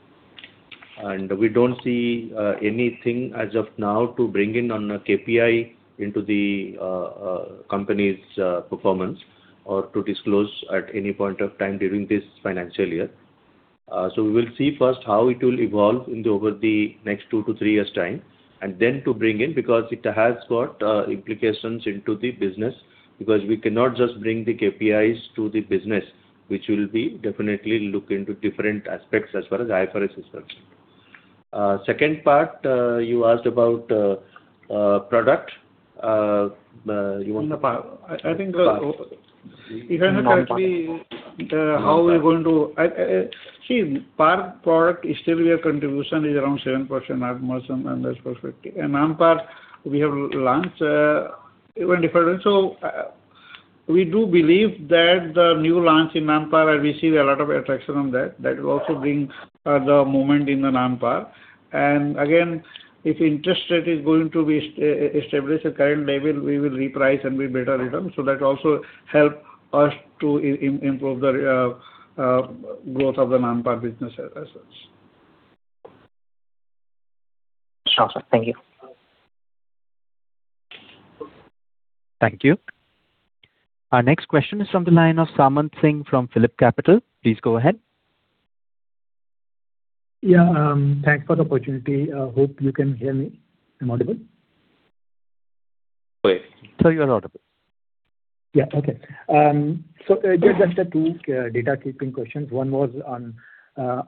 We don't see anything as of now to bring in a KPI into the company's performance or to disclose at any point of time during this financial year. We will see first how it will evolve over the next two to three years' time, and then to bring in, because it has got implications into the business, because we cannot just bring the KPIs to the business, which will definitely look into different aspects as far as IFRS is concerned. Second part, you asked about product. I think even currently. See, par product is still a contribution around 7% at most and that's perfect. Non-par, we have launched even different. We do believe that the new launch in non-par receives a lot of traction on that. That will also bring the movement in the non-par. Again, if interest rate is going to be stabilized at current level, we will reprice and be better return. That also helps us to improve the growth of the non-par business as such. Sure, sir. Thank you. Thank you. Our next question is from the line of Samant Singh from PhillipCapital. Please go ahead. Yeah. Thanks for the opportunity. Hope you can hear me. I'm audible? You are audible. Yeah. Okay. Just two data keeping questions. One was on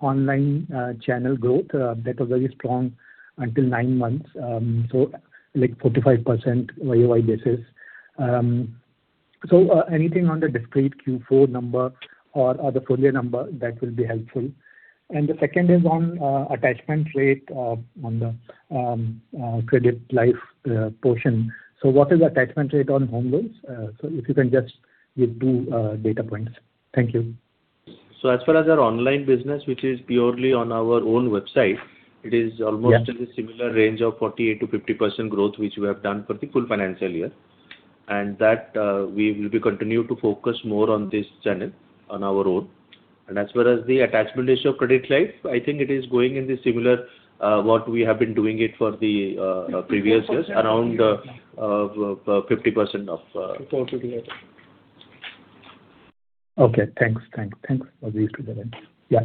online channel growth. That was very strong until nine months. Like 45% YOY basis. Anything on the discrete Q4 number or the full year number that will be helpful. The second is on attachment rate on the credit life portion. What is attachment rate on home loans? If you can just give two data points. Thank you. As far as our online business, which is purely on our own website, it is almost in the similar range of 48%-50% growth, which we have done for the full financial year. That we will continue to focus more on this channel on our own. As far as the attachment ratio of credit life, I think it is going in the similar, what we have been doing it for the previous years, around 50% of. Okay, thanks for these two events. Yeah.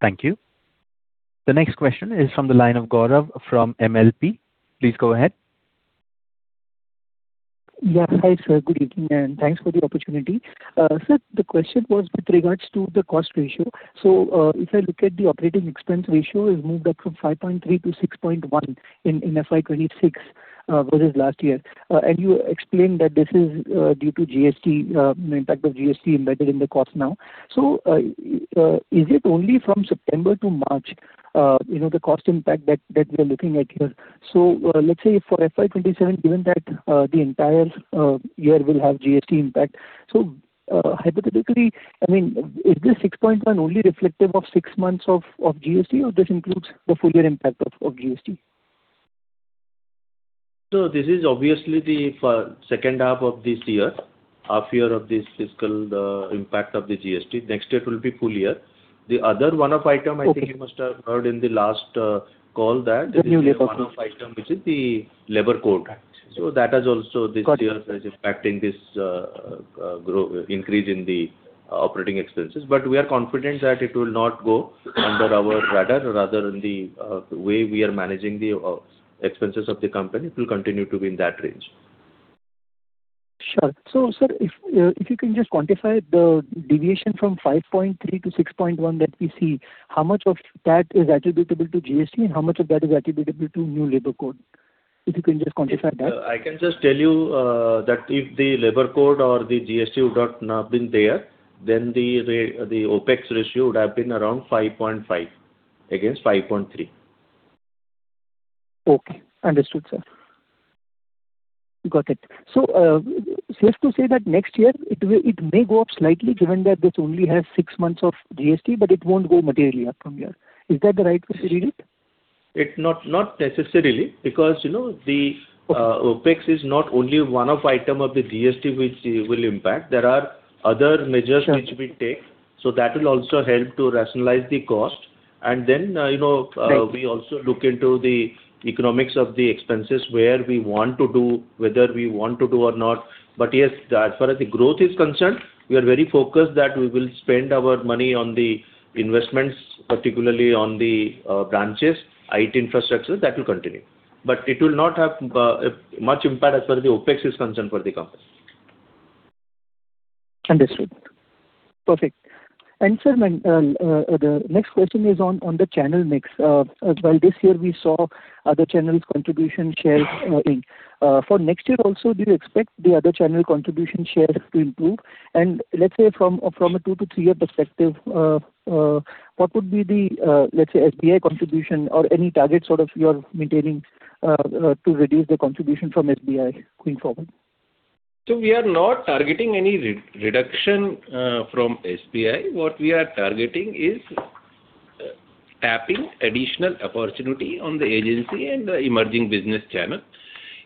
Thank you. The next question is from the line of Gaurav from MLP. Please go ahead. Yeah. Hi, sir. Good evening, and thanks for the opportunity. Sir, the question was with regards to the cost ratio. If I look at the operating expense ratio, it moved up from 5.3% to 6.1% in FY 2026 versus last year. You explained that this is due to GST, impact of GST embedded in the cost now. Is it only from September to March, the cost impact that we are looking at here? Let's say for FY 2027, given that the entire year will have GST impact. Hypothetically, is this 6.1 only reflective of six months of GST, or this includes the full year impact of GST? This is obviously the second half of this year, half year of this fiscal, the impact of the GST. Next year, it will be full year. The other one-off item, I think you must have heard in the last call that there is a new one-off item, which is the labor code. That has also this year is impacting this increase in the operating expenses. We are confident that it will not go under our radar. Rather, in the way we are managing the expenses of the company, it will continue to be in that range. Sure. Sir, if you can just quantify the deviation from 5.3%-6.1% that we see, how much of that is attributable to GST and how much of that is attributable to new labor code? If you can just quantify that. I can just tell you that if the labor code or the GST would not have been there, then the OpEx ratio would have been around 5.5% against 5.3%. Okay. Understood, sir. Got it. Safe to say that next year it may go up slightly given that this only has six months of GST, but it won't go materially up from here. Is that the right way to read it? Not necessarily, because the OpEx is not only one-off item of the GST which will impact. There are other measures which we take, so that will also help to rationalize the cost. We also look into the economics of the expenses, where we want to do, whether we want to do or not. Yes, as far as the growth is concerned, we are very focused that we will spend our money on the investments, particularly on the branches, IT infrastructure, that will continue. It will not have much impact as far as the OpEx is concerned for the company. Understood. Perfect. Sir, the next question is on the channel mix. While this year we saw other channels contribution share increase. For next year also, do you expect the other channel contribution share to improve? Let's say from a two to three year perspective, what would be the, let's say, SBI contribution or any target sort of you are maintaining to reduce the contribution from SBI going forward? We are not targeting any reduction from SBI. What we are targeting is tapping additional opportunity on the agency and the emerging business channel.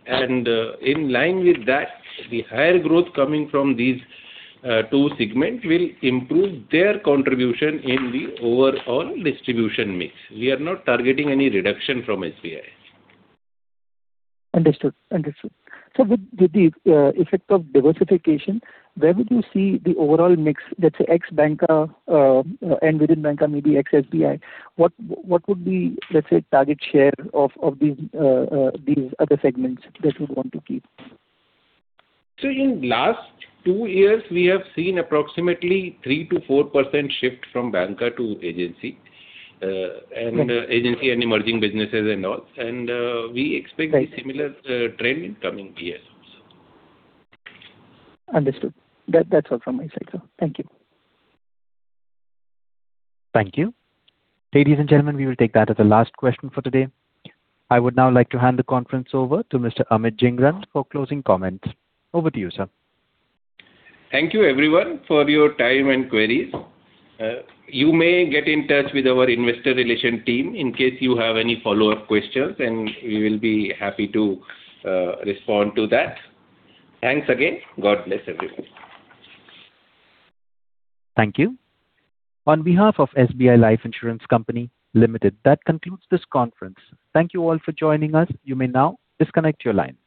In line with that, the higher growth coming from these two segments will improve their contribution in the overall distribution mix. We are not targeting any reduction from SBI. Understood. With the effect of diversification, where would you see the overall mix, let's say ex-Banca and within Banca, maybe ex-SBI, what would be, let's say, target share of these other segments that you want to keep? In last two years, we have seen approximately 3%-4% shift from Banca to agency and emerging businesses and all. We expect the similar trend in coming years also. Understood. That's all from my cycle. Thank you. Thank you. Ladies and gentlemen, we will take that as the last question for today. I would now like to hand the conference over to Mr. Amit Jhingran for closing comments. Over to you, sir. Thank you everyone for your time and queries. You may get in touch with our Investor Relations team in case you have any follow-up questions, and we will be happy to respond to that. Thanks again. God bless everyone. Thank you. On behalf of SBI Life Insurance Company Limited, that concludes this conference. Thank you all for joining us. You may now disconnect your lines.